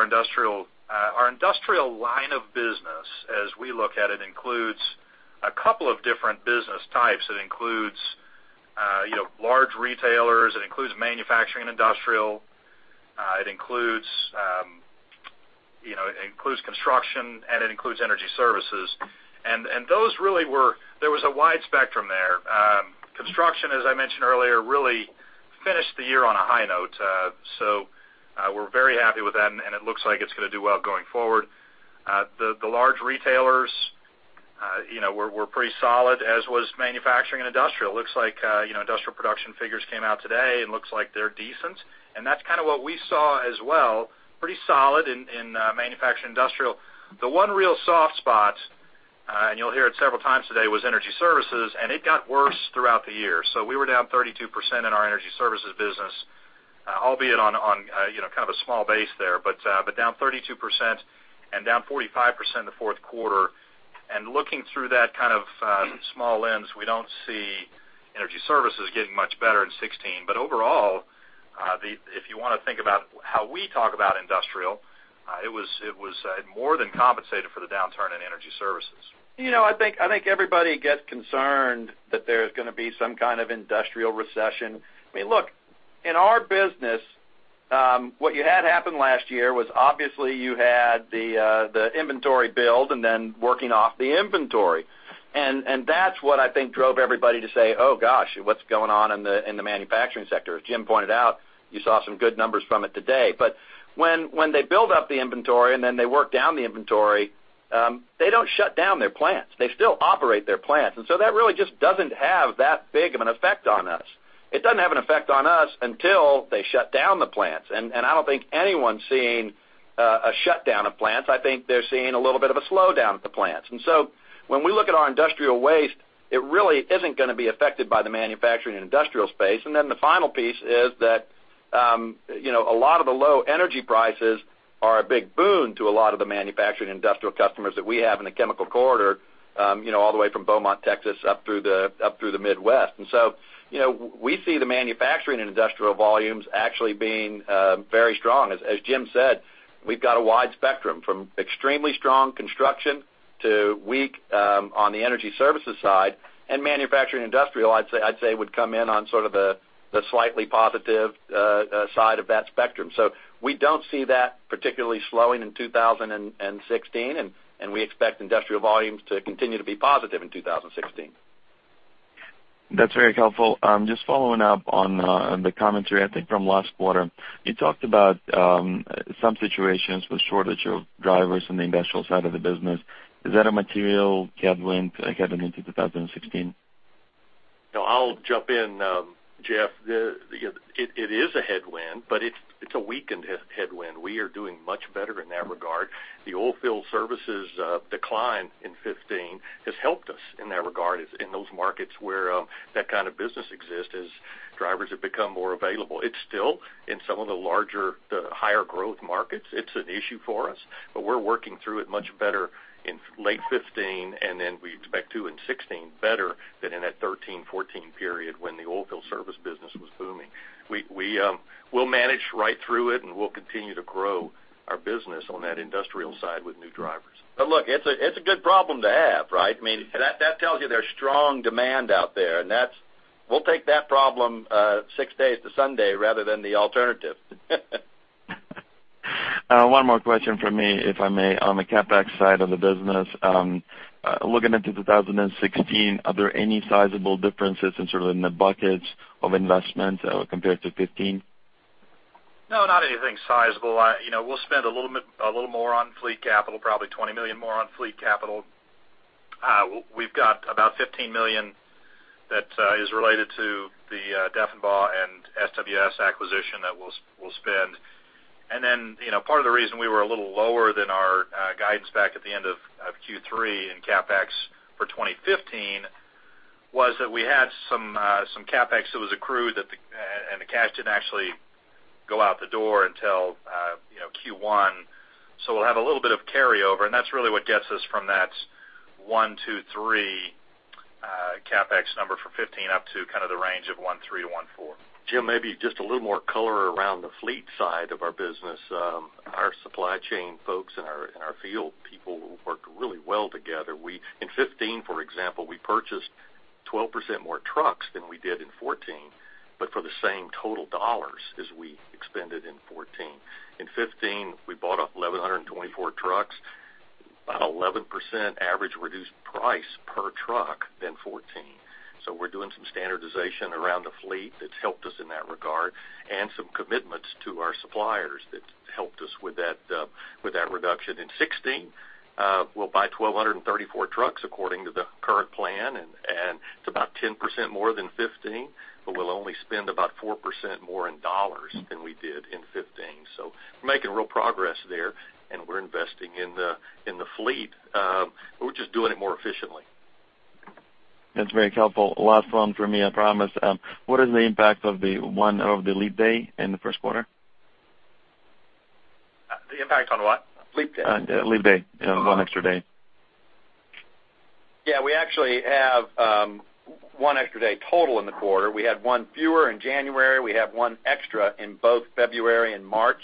our industrial line of business, as we look at it, includes a couple of different business types. It includes large retailers. It includes manufacturing and industrial. It includes construction, and it includes energy services. Those really there was a wide spectrum there. Construction, as I mentioned earlier, really finished the year on a high note. We're very happy with that, it looks like it's going to do well going forward. The large retailers were pretty solid, as was manufacturing and industrial. Looks like industrial production figures came out today, looks like they're decent, that's kind of what we saw as well. Pretty solid in manufacturing industrial. The one real soft spot, you'll hear it several times today, was energy services, it got worse throughout the year. We were down 32% in our energy services business, albeit on kind of a small base there, but down 32% and down 45% in the fourth quarter. Looking through that kind of small lens, we don't see energy services getting much better in 2016. Overall, if you want to think about how we talk about industrial, it more than compensated for the downturn in energy services. I think everybody gets concerned that there's going to be some kind of industrial recession. I mean, look, in our business. What you had happen last year was obviously you had the inventory build and then working off the inventory. That's what I think drove everybody to say, "Oh, gosh, what's going on in the manufacturing sector?" As Jim pointed out, you saw some good numbers from it today, but when they build up the inventory and then they work down the inventory, they don't shut down their plants. They still operate their plants. That really just doesn't have that big of an effect on us. It doesn't have an effect on us until they shut down the plants. I don't think anyone's seeing a shutdown of plants. I think they're seeing a little bit of a slowdown at the plants. When we look at our industrial waste, it really isn't going to be affected by the manufacturing and industrial space. The final piece is that a lot of the low energy prices are a big boon to a lot of the manufacturing industrial customers that we have in the chemical corridor all the way from Beaumont, Texas, up through the Midwest. We see the manufacturing and industrial volumes actually being very strong. As Jim said, we've got a wide spectrum from extremely strong construction to weak on the energy services side, and manufacturing industrial, I'd say, would come in on sort of the slightly positive side of that spectrum. We don't see that particularly slowing in 2016, we expect industrial volumes to continue to be positive in 2016. That's very helpful. Just following up on the commentary, I think from last quarter. You talked about some situations with shortage of drivers on the industrial side of the business. Is that a material headwind heading into 2016? No, I'll jump in, Jeff. It is a headwind, but it's a weakened headwind. We are doing much better in that regard. The oilfield services decline in 2015 has helped us in that regard, in those markets where that kind of business exists as drivers have become more available. It's still in some of the larger, the higher growth markets. It's an issue for us, but we're working through it much better in late 2015, and then we expect to in 2016 better than in that 2013, 2014 period when the oilfield service business was booming. We'll manage right through it, and we'll continue to grow our business on that industrial side with new drivers. Look, it's a good problem to have, right? That tells you there's strong demand out there. We'll take that problem six days to Sunday rather than the alternative. One more question from me, if I may. On the CapEx side of the business, looking into 2016, are there any sizable differences in sort of in the buckets of investment compared to 2015? No, not anything sizable. We'll spend a little more on fleet capital, probably $20 million more on fleet capital. We've got about $15 million that is related to the Deffenbaugh and SWS acquisition that we'll spend. Part of the reason we were a little lower than our guidance back at the end of Q3 in CapEx for 2015 was that we had some CapEx that was accrued and the cash didn't actually go out the door until Q1. We'll have a little bit of carryover, and that's really what gets us from that one, two, three CapEx number for 2015 up to kind of the range of one three to one four. Jim, maybe just a little more color around the fleet side of our business. Our supply chain folks and our field people worked really well together. In 2015, for example, we purchased 12% more trucks than we did in 2014, but for the same total dollars as we expended in 2014. In 2015, we bought 1,124 trucks, about 11% average reduced price per truck than 2014. We're doing some standardization around the fleet that's helped us in that regard and some commitments to our suppliers that helped us with that reduction. In 2016, we'll buy 1,234 trucks according to the current plan, and it's about 10% more than 2015, but we'll only spend about 4% more in dollars than we did in 2015. We're making real progress there, and we're investing in the fleet. We're just doing it more efficiently. That's very helpful. Last one for me, I promise. What is the impact of the leap day in the first quarter? The impact on what? Leap day. One extra day. Yeah, we actually have one extra day total in the quarter. We had one fewer in January. We have one extra in both February and March.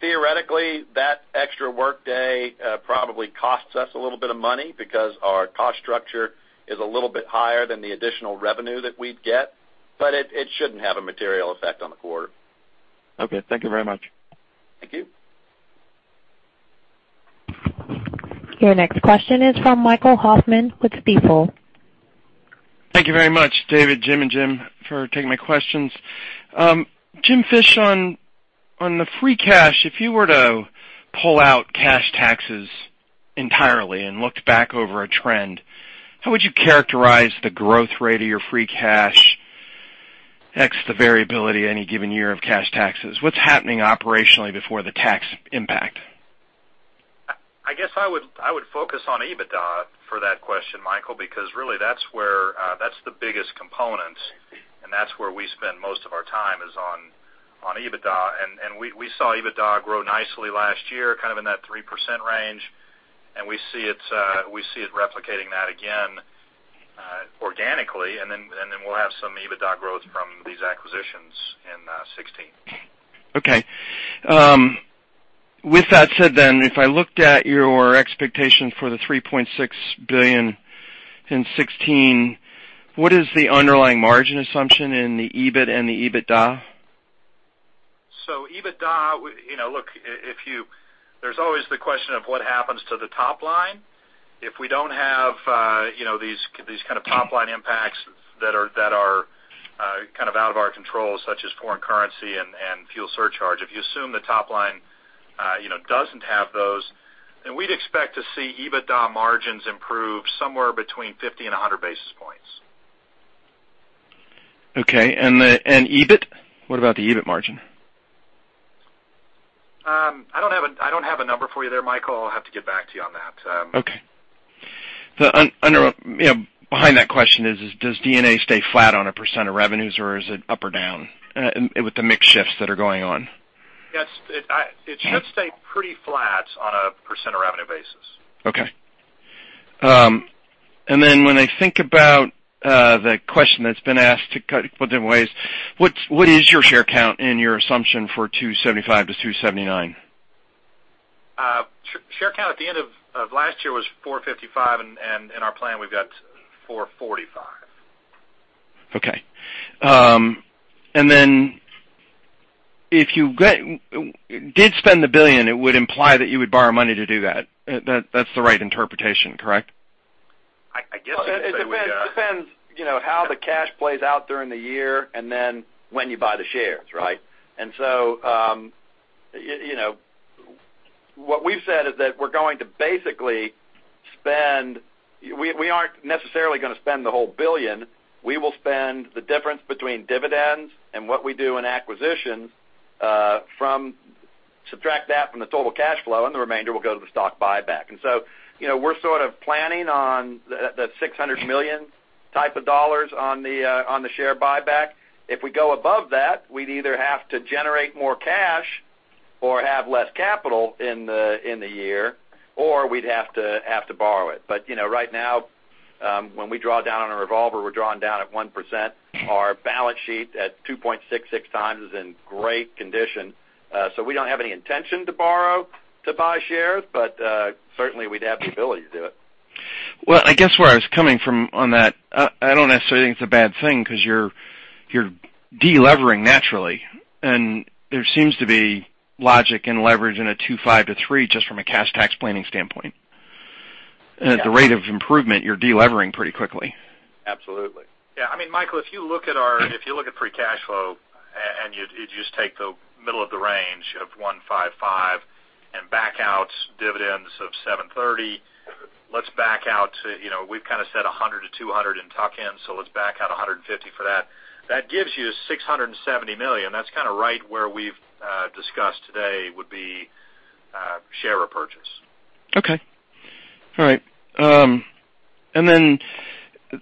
Theoretically, that extra workday probably costs us a little bit of money because our cost structure is a little bit higher than the additional revenue that we'd get. It shouldn't have a material effect on the quarter. Okay. Thank you very much. Thank you. Your next question is from Michael Hoffman with Stifel. Thank you very much, David, Jim, and Jim, for taking my questions. Jim Fish, on the free cash, if you were to pull out cash taxes entirely and looked back over a trend, how would you characterize the growth rate of your free cash X the variability any given year of cash taxes? What's happening operationally before the tax impact? I guess I would focus on EBITDA for that question, Michael, because really that's the biggest component and that's where we spend most of our time is on EBITDA. We saw EBITDA grow nicely last year, kind of in that 3% range. We see it replicating that again organically. We'll have some EBITDA growth from these acquisitions in 2016. Okay. With that said then, if I looked at your expectation for the $3.6 billion in 2016, what is the underlying margin assumption in the EBIT and the EBITDA? EBITDA, look, there's always the question of what happens to the top-line. If we don't have these kind of top-line impacts that are out of our control, such as foreign currency and fuel surcharge. If you assume the top-line doesn't have those, then we'd expect to see EBITDA margins improve somewhere between 50 and 100 basis points. Okay. EBIT? What about the EBIT margin? I don't have a number for you there, Michael. I'll have to get back to you on that. Okay. Behind that question is, does G&A stay flat on a % of revenues, or is it up or down with the mix shifts that are going on? Yes. It should stay pretty flat on a % of revenue basis. Okay. When I think about the question that's been asked a couple different ways, what is your share count in your assumption for 275-279? Share count at the end of last year was 455, in our plan, we've got 445. Okay. If you did spend the $1 billion, it would imply that you would borrow money to do that. That's the right interpretation, correct? I guess you could say we've got It depends how the cash plays out during the year, and then when you buy the shares, right? What we've said is that we're going to basically spend. We aren't necessarily going to spend the whole $1 billion. We will spend the difference between dividends and what we do in acquisitions, subtract that from the total cash flow, and the remainder will go to the stock buyback. We're sort of planning on the $600 million type of dollars on the share buyback. If we go above that, we'd either have to generate more cash or have less capital in the year, or we'd have to borrow it. Right now, when we draw down on a revolver, we're drawing down at 1%. Our balance sheet at 2.66x is in great condition. We don't have any intention to borrow to buy shares, but certainly, we'd have the ability to do it. Well, I guess where I was coming from on that, I don't necessarily think it's a bad thing because you're de-levering naturally, and there seems to be logic in leverage in a 2.5-3, just from a cash tax planning standpoint. Yeah. At the rate of improvement, you're de-levering pretty quickly. Absolutely. Yeah. Michael, if you look at free cash flow, you just take the middle of the range of $155 and back out dividends of $730. Let's back out, we've set $100-$200 in tuck-ins, let's back out $150 for that. That gives you $670 million. That's right where we've discussed today would be share repurchase. Okay. All right. Then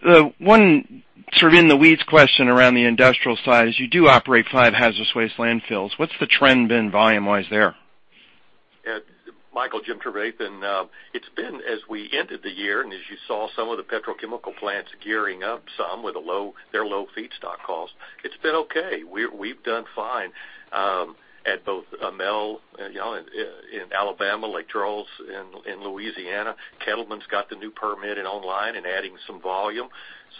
the one sort of in the weeds question around the industrial side is you do operate five hazardous waste landfills. What's the trend been volume-wise there? Michael, Jim Trevathan. It's been as we entered the year, as you saw some of the petrochemical plants gearing up some with their low feedstock cost, it's been okay. We've done fine, at both Emelle in Alabama, Lake Charles in Louisiana. Kettleman's got the new permit online adding some volume.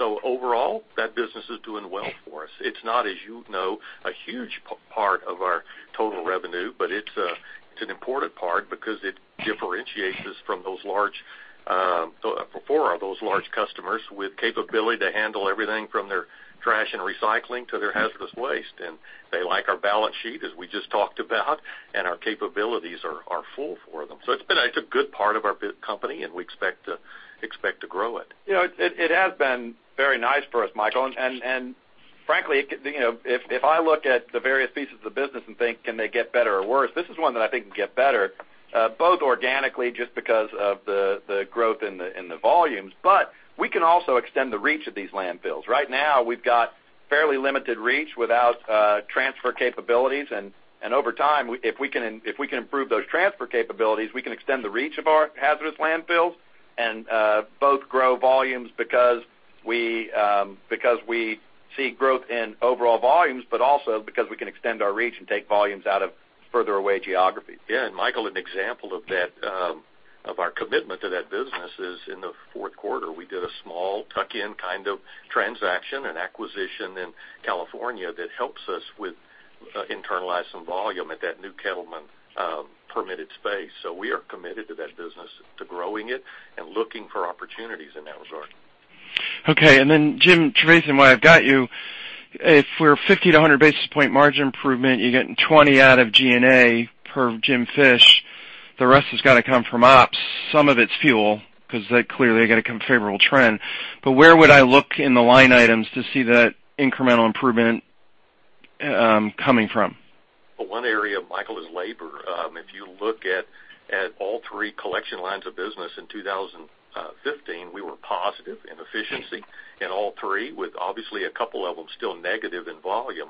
Overall, that business is doing well for us. It's not, as you know, a huge part of our total revenue, but it's an important part because it differentiates us for those large customers with capability to handle everything from their trash and recycling to their hazardous waste. They like our balance sheet, as we just talked about, our capabilities are full for them. It's a good part of our company, and we expect to grow it. It has been very nice for us, Michael. Frankly, if I look at the various pieces of the business and think, can they get better or worse, this is one that I think can get better, both organically just because of the growth in the volumes, but we can also extend the reach of these landfills. Right now, we've got fairly limited reach without transfer capabilities. Over time, if we can improve those transfer capabilities, we can extend the reach of our hazardous landfills and both grow volumes because we see growth in overall volumes, but also because we can extend our reach and take volumes out of further away geographies. Yeah. Michael, an example of our commitment to that business is in the fourth quarter, we did a small tuck-in kind of transaction and acquisition in California that helps us with internalizing volume at that new Kettleman permitted space. We are committed to that business, to growing it and looking for opportunities in that regard. Okay. Jim Trevathan, while I've got you, if we're 50-100 basis points margin improvement, you're getting 20 out of G&A, per Jim Fish, the rest has got to come from ops. Some of it's fuel, because clearly, they got a favorable trend. Where would I look in the line items to see that incremental improvement coming from? Well, one area, Michael, is labor. If you look at all three collection lines of business in 2015, we were positive in efficiency in all three, with obviously a couple of them still negative in volume.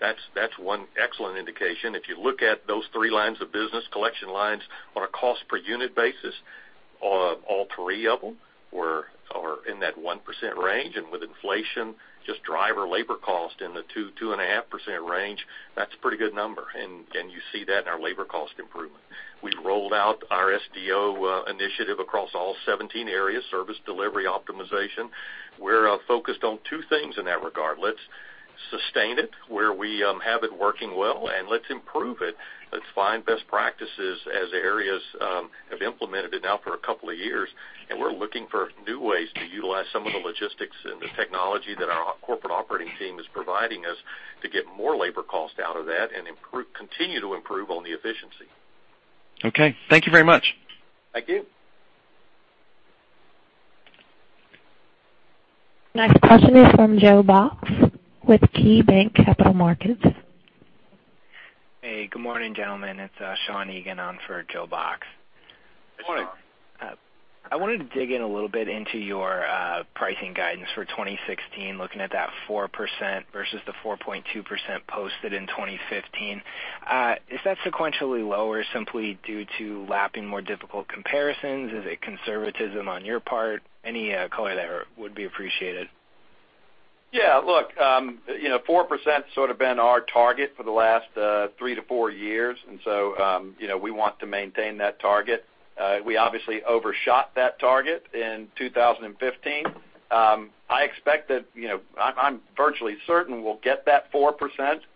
That's one excellent indication. If you look at those three lines of business, collection lines on a cost per unit basis All three of them are in that 1% range, and with inflation just driver labor cost in the 2%-2.5% range, that's a pretty good number. You see that in our labor cost improvement. We've rolled out our SDO initiative across all 17 areas, Service Delivery Optimization. We're focused on two things in that regard. Let's sustain it where we have it working well, let's improve it. Let's find best practices as areas have implemented it now for a couple of years, and we're looking for new ways to utilize some of the logistics and the technology that our corporate operating team is providing us to get more labor cost out of that and continue to improve on the efficiency. Okay. Thank you very much. Thank you. Next question is from Joe Box with KeyBanc Capital Markets. Hey, good morning, gentlemen. It's Sean Egan on for Joe Box. Good morning. I wanted to dig in a little bit into your pricing guidance for 2016, looking at that 4% versus the 4.2% posted in 2015. Is that sequentially lower simply due to lapping more difficult comparisons? Is it conservatism on your part? Any color there would be appreciated. Yeah, look, 4% sort of been our target for the last three to four years. We want to maintain that target. We obviously overshot that target in 2015. I'm virtually certain we'll get that 4%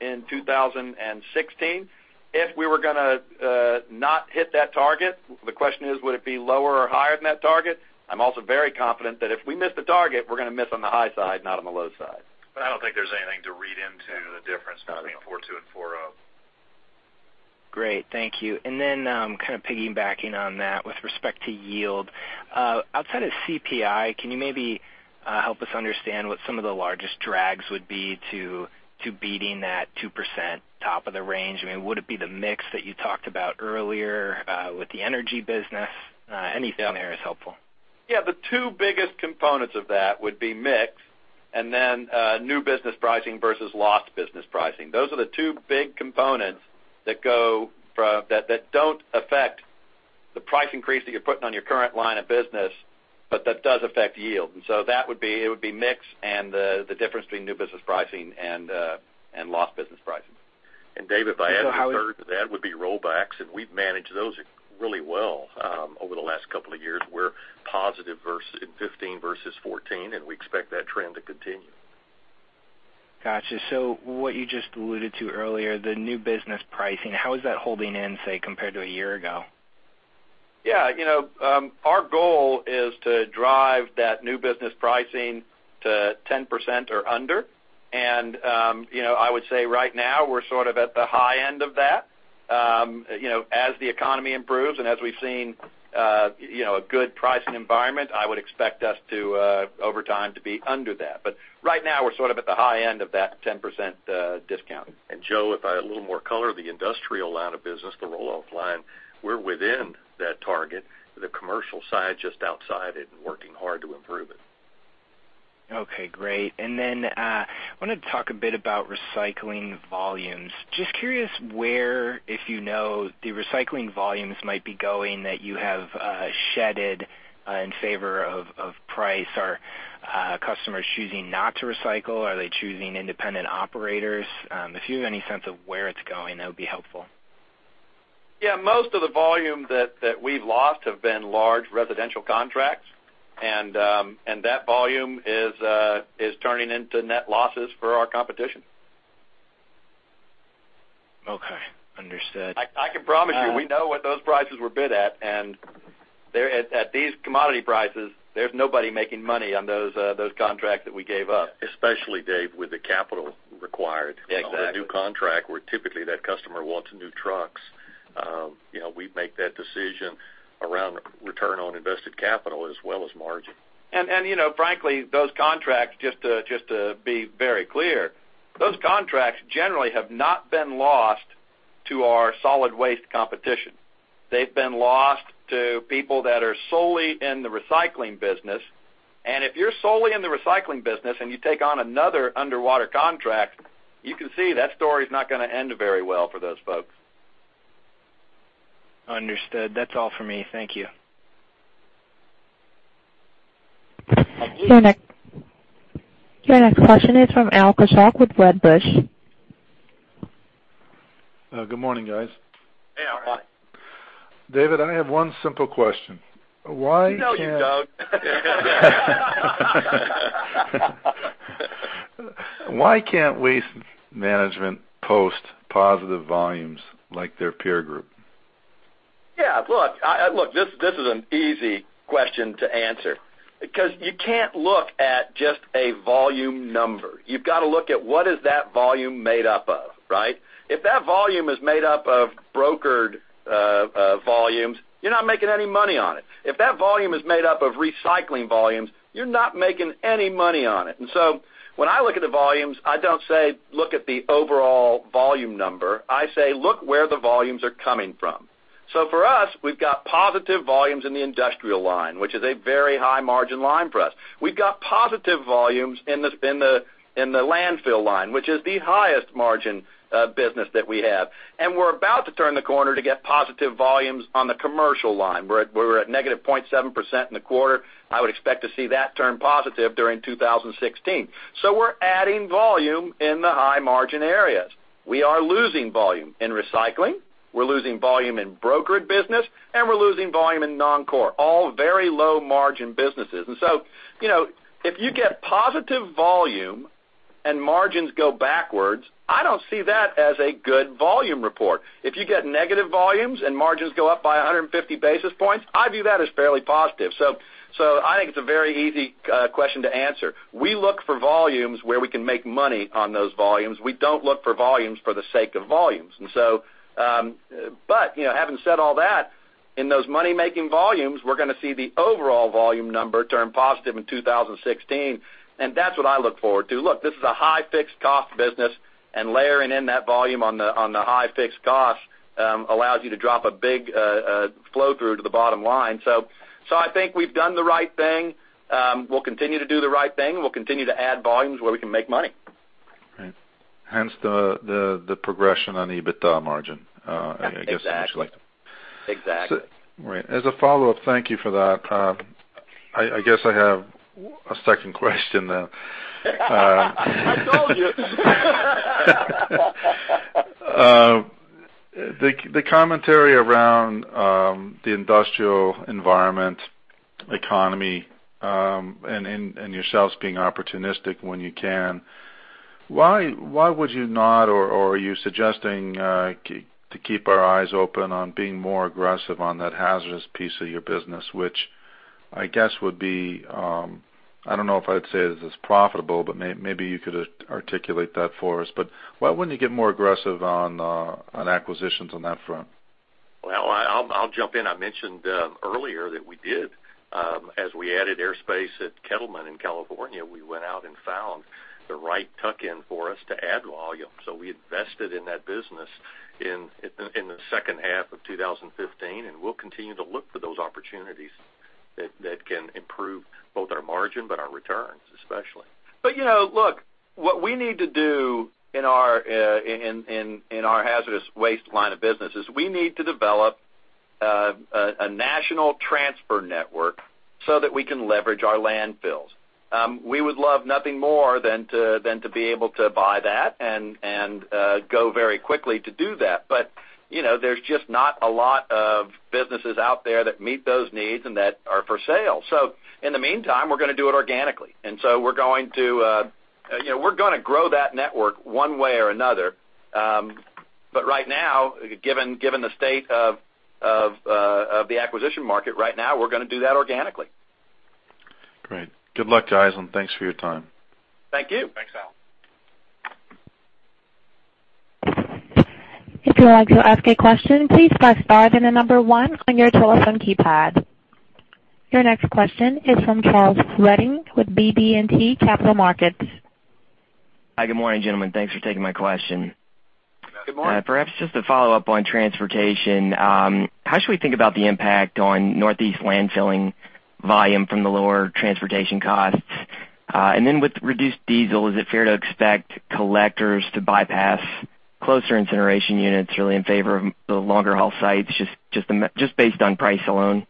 in 2016. If we were going to not hit that target, the question is, would it be lower or higher than that target? I'm also very confident that if we miss the target, we're going to miss on the high side, not on the low side. I don't think there's anything to read into the difference between four two and four oh. Great, thank you. Kind of piggybacking on that with respect to yield. Outside of CPI, can you maybe help us understand what some of the largest drags would be to beating that 2% top of the range? I mean, would it be the mix that you talked about earlier with the energy business? Anything there is helpful. Yeah. The two biggest components of that would be mix and then new business pricing versus lost business pricing. Those are the two big components that don't affect the price increase that you're putting on your current line of business, but that does affect yield. It would be mix and the difference between new business pricing and lost business pricing. David, if I add a third to that, would be rollbacks, and we've managed those really well over the last couple of years. We're positive in 2015 versus 2014, and we expect that trend to continue. Got you. What you just alluded to earlier, the new business pricing, how is that holding in, say, compared to a year ago? Yeah. Our goal is to drive that new business pricing to 10% or under. I would say right now, we're sort of at the high end of that. As the economy improves and as we've seen a good pricing environment, I would expect us to, over time, to be under that. Right now, we're sort of at the high end of that 10% discount. Joe, if I add a little more color, the industrial line of business, the roll-off line, we're within that target, the commercial side just outside it and working hard to improve it. Okay, great. Then I wanted to talk a bit about recycling volumes. Just curious where, if you know, the recycling volumes might be going that you have shedded in favor of price. Are customers choosing not to recycle? Are they choosing independent operators? If you have any sense of where it's going, that would be helpful. Yeah, most of the volume that we've lost have been large residential contracts. That volume is turning into net losses for our competition. Okay. Understood. I can promise you, we know what those prices were bid at. At these commodity prices, there's nobody making money on those contracts that we gave up. Especially Dave, with the capital required. Exactly on a new contract where typically that customer wants new trucks. We make that decision around return on invested capital as well as margin. Frankly, just to be very clear, those contracts generally have not been lost to our solid waste competition. They've been lost to people that are solely in the recycling business. If you're solely in the recycling business and you take on another underwater contract, you can see that story's not going to end very well for those folks. Understood. That's all for me. Thank you. Your next question is from Al Kaschalk with Wedbush. Good morning, guys. Hey, Al. David, I have one simple question. Why can't No you don't. Why can't Waste Management post positive volumes like their peer group? Yeah, look, this is an easy question to answer because you can't look at just a volume number. You've got to look at what is that volume made up of, right? If that volume is made up of brokered volumes, you're not making any money on it. If that volume is made up of recycling volumes, you're not making any money on it. When I look at the volumes, I don't say look at the overall volume number. I say, look where the volumes are coming from. For us, we've got positive volumes in the industrial line, which is a very high margin line for us. We've got positive volumes in the landfill line, which is the highest margin business that we have. We're about to turn the corner to get positive volumes on the commercial line. We're at negative 0.7% in the quarter. I would expect to see that turn positive during 2016. We're adding volume in the high margin areas. We are losing volume in recycling, we're losing volume in brokerage business, and we're losing volume in non-core, all very low margin businesses. If you get positive volume and margins go backwards, I don't see that as a good volume report. If you get negative volumes and margins go up by 150 basis points, I view that as fairly positive. I think it's a very easy question to answer. We look for volumes where we can make money on those volumes. We don't look for volumes for the sake of volumes. Having said all that, in those money-making volumes, we're going to see the overall volume number turn positive in 2016, and that's what I look forward to. Look, this is a high fixed cost business and layering in that volume on the high fixed cost, allows you to drop a big flow-through to the bottom line. I think we've done the right thing. We'll continue to do the right thing, and we'll continue to add volumes where we can make money. Right. Hence the progression on EBITDA margin, I guess. Exactly. Right. As a follow-up, thank you for that. I guess I have a second question then. I told you. The commentary around the industrial environment, economy, and yourselves being opportunistic when you can, why would you not, or are you suggesting to keep our eyes open on being more aggressive on that hazardous piece of your business? Which I guess would be, I don't know if I'd say this is profitable, but maybe you could articulate that for us. Why wouldn't you get more aggressive on acquisitions on that front? Well, I'll jump in. I mentioned earlier that we did, as we added airspace at Kettleman in California, we went out and found the right tuck-in for us to add volume. We invested in that business in the second half of 2015, and we'll continue to look for those opportunities that can improve both our margin, but our returns especially. Look, what we need to do in our hazardous waste line of business is we need to develop a national transfer network so that we can leverage our landfills. We would love nothing more than to be able to buy that and go very quickly to do that. There's just not a lot of businesses out there that meet those needs and that are for sale. In the meantime, we're going to do it organically. We're going to grow that network one way or another. Right now, given the state of the acquisition market right now, we're going to do that organically. Great. Good luck, guys, and thanks for your time. Thank you. Thanks, Al. If you would like to ask a question, please press star then the number one on your telephone keypad. Your next question is from Charles Redding with BB&T Capital Markets. Hi. Good morning, gentlemen. Thanks for taking my question. Good morning. Perhaps just to follow up on transportation, how should we think about the impact on Northeast landfilling volume from the lower transportation costs? With reduced diesel, is it fair to expect collectors to bypass closer incineration units, really in favor of the longer haul sites just based on price alone?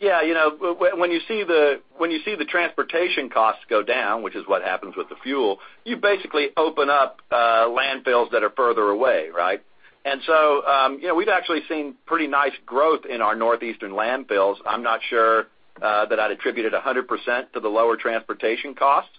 Yeah. When you see the transportation costs go down, which is what happens with the fuel, you basically open up landfills that are further away, right? We've actually seen pretty nice growth in our Northeastern landfills. I'm not sure that I'd attribute it 100% to the lower transportation costs.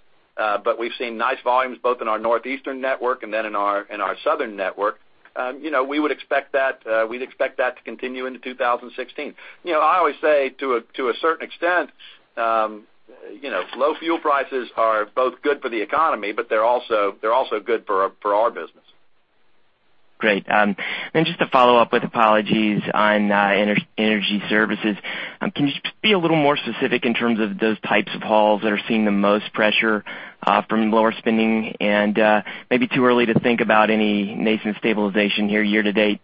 We've seen nice volumes both in our Northeastern network and then in our Southern network. We'd expect that to continue into 2016. I always say to a certain extent, low fuel prices are both good for the economy, but they're also good for our business. Great. Just to follow up with apologies on energy services, can you just be a little more specific in terms of those types of hauls that are seeing the most pressure from lower spending and maybe too early to think about any nascent stabilization here year to date?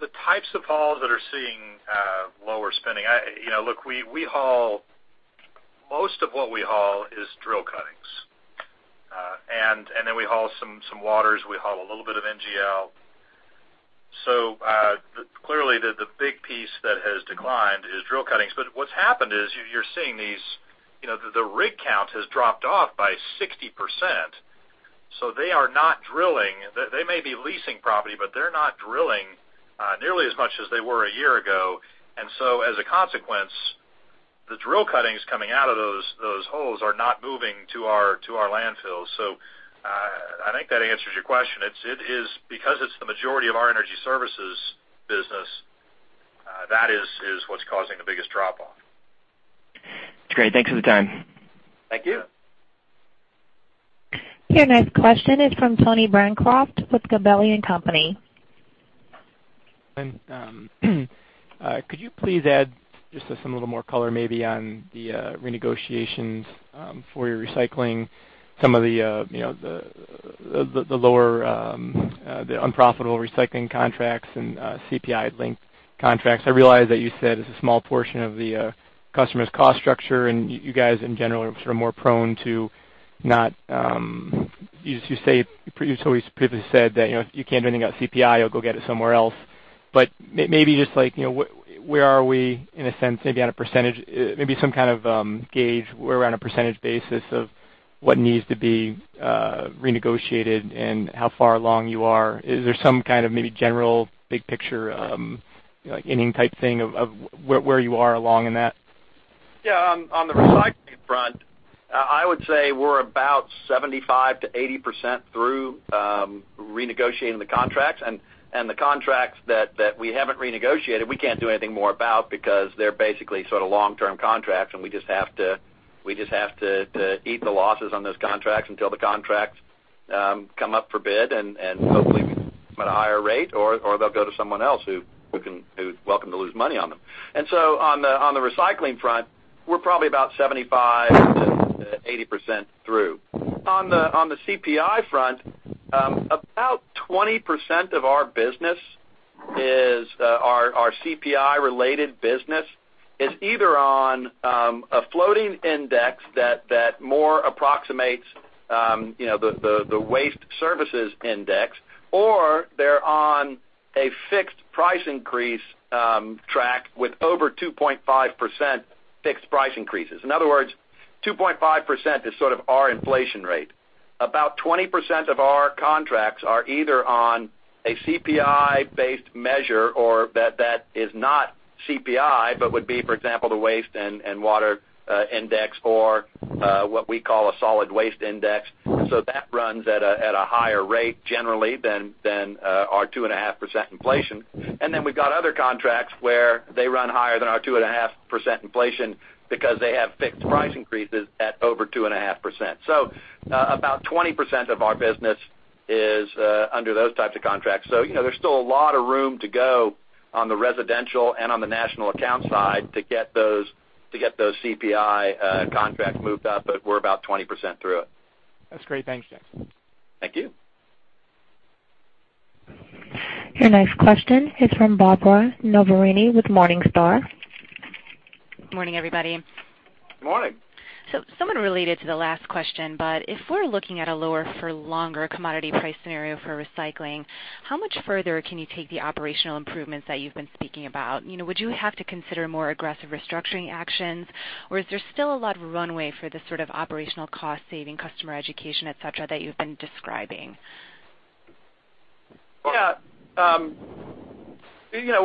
The types of hauls that are seeing lower spending. Most of what we haul is drill cuttings. Then we haul some waters, we haul a little bit of NGL. Clearly, the big piece that has declined is drill cuttings. What's happened is you're seeing the rig count has dropped off by 60%. They are not drilling. They may be leasing property, but they're not drilling nearly as much as they were a year ago. As a consequence, the drill cuttings coming out of those holes are not moving to our landfills. I think that answers your question. Because it's the majority of our energy services business, that is what's causing the biggest drop-off. That's great. Thanks for the time. Thank you. Your next question is from Tony Bancroft with Gabelli & Company. Could you please add just some little more color maybe on the renegotiations for your recycling, some of the lower, the unprofitable recycling contracts and CPI-linked contracts? I realize that you said it's a small portion of the customer's cost structure, and you guys, in general, are more prone to not. You previously said that, if you can't do anything about CPI, you'll go get it somewhere else. Maybe just where are we, in a sense, maybe on a percentage, maybe some kind of gauge around a percentage basis of what needs to be renegotiated and how far along you are. Is there some kind of maybe general big picture, like inning type thing of where you are along in that? On the recycling front, I would say we're about 75%-80% through renegotiating the contracts. The contracts that we haven't renegotiated, we can't do anything more about because they're basically long-term contracts, and we just have to eat the losses on those contracts until the contracts come up for bid and hopefully we can get them at a higher rate or they'll go to someone else who's welcome to lose money on them. On the recycling front, we're probably about 75%-80% through. On the CPI front, about 20% of our business is our CPI-related business, is either on a floating index that more approximates the waste services index, or they're on a fixed price increase track with over 2.5% fixed price increases. In other words, 2.5% is sort of our inflation rate. About 20% of our contracts are either on a CPI-based measure or that is not CPI, but would be, for example, the waste and water index or what we call a Solid Waste Index. That runs at a higher rate generally than our 2.5% inflation. We've got other contracts where they run higher than our 2.5% inflation because they have fixed price increases at over 2.5%. About 20% of our business is under those types of contracts. There's still a lot of room to go on the residential and on the national account side to get those CPI contracts moved up, but we're about 20% through it. That's great. Thanks, Jim. Thank you. Your next question is from Barbara Noverini with Morningstar. Morning, everybody. Morning. Somewhat related to the last question, if we're looking at a lower for longer commodity price scenario for recycling, how much further can you take the operational improvements that you've been speaking about? Would you have to consider more aggressive restructuring actions, or is there still a lot of runway for this sort of operational cost-saving, customer education, et cetera, that you've been describing? When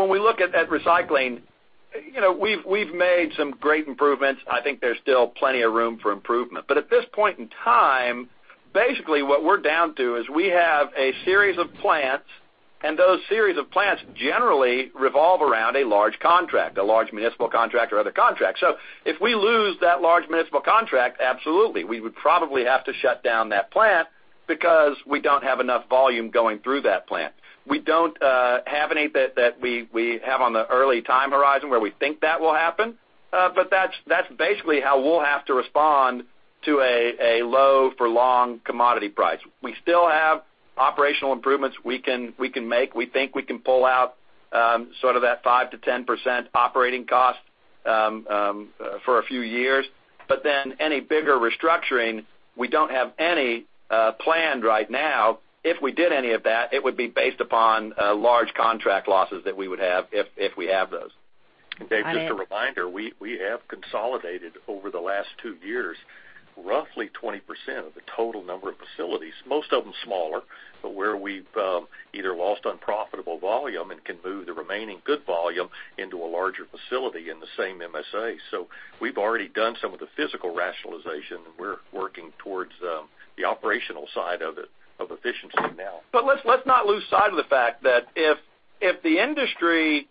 we look at recycling, we've made some great improvements. I think there's still plenty of room for improvement. At this point in time, basically what we're down to is we have a series of plants, and those series of plants generally revolve around a large contract, a large municipal contract or other contract. If we lose that large municipal contract, absolutely, we would probably have to shut down that plant because we don't have enough volume going through that plant. We don't have any that we have on the early time horizon where we think that will happen. That's basically how we'll have to respond to a low for long commodity price. We still have operational improvements we can make. We think we can pull out sort of that 5%-10% operating cost for a few years. Any bigger restructuring, we don't have any planned right now. If we did any of that, it would be based upon large contract losses that we would have, if we have those. Dave, just a reminder, we have consolidated over the last two years, roughly 20% of the total number of facilities, most of them smaller, but where we've either lost unprofitable volume and can move the remaining good volume into a larger facility in the same MSA. We've already done some of the physical rationalization, and we're working towards the operational side of efficiency now. Let's not lose sight of the fact that if the industry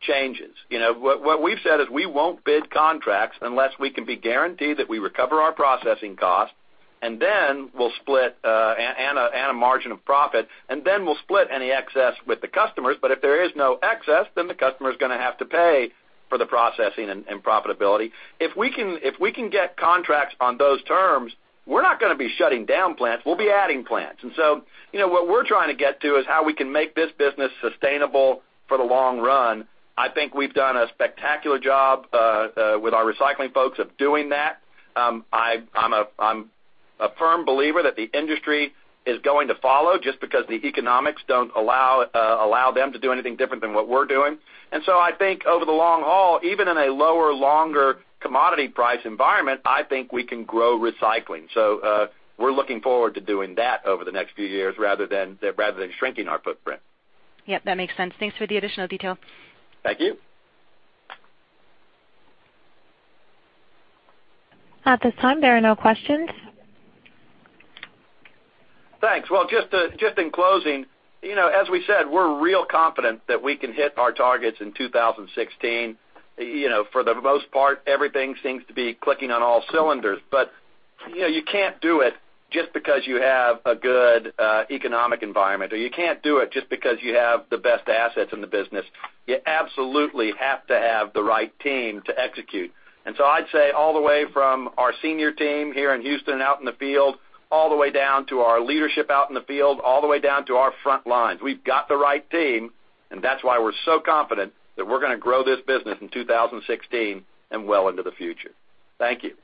changes. What we've said is we won't bid contracts unless we can be guaranteed that we recover our processing cost and a margin of profit, then we'll split any excess with the customers. If there is no excess, then the customer's going to have to pay for the processing and profitability. If we can get contracts on those terms, we're not going to be shutting down plants, we'll be adding plants. What we're trying to get to is how we can make this business sustainable for the long run. I think we've done a spectacular job with our recycling folks of doing that. I'm a firm believer that the industry is going to follow just because the economics don't allow them to do anything different than what we're doing. I think over the long haul, even in a lower, longer commodity price environment, I think we can grow recycling. We're looking forward to doing that over the next few years rather than shrinking our footprint. Yep, that makes sense. Thanks for the additional detail. Thank you. At this time, there are no questions. Thanks. Well, just in closing, as we said, we're real confident that we can hit our targets in 2016. For the most part, everything seems to be clicking on all cylinders. You can't do it just because you have a good economic environment, you can't do it just because you have the best assets in the business. You absolutely have to have the right team to execute. I'd say all the way from our senior team here in Houston out in the field, all the way down to our leadership out in the field, all the way down to our front lines, we've got the right team, and that's why we're so confident that we're going to grow this business in 2016 and well into the future. Thank you.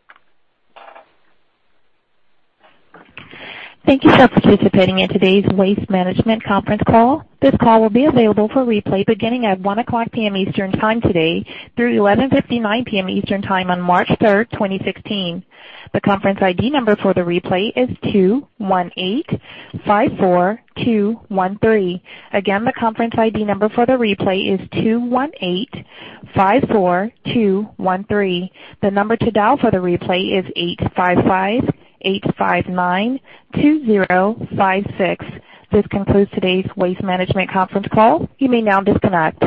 Thank you for participating in today's Waste Management conference call. This call will be available for replay beginning at 1:00 P.M. Eastern time today through 11:59 P.M. Eastern time on March 3rd, 2016. The conference ID number for the replay is 21854213. Again, the conference ID number for the replay is 21854213. The number to dial for the replay is 855-859-2056. This concludes today's Waste Management conference call. You may now disconnect.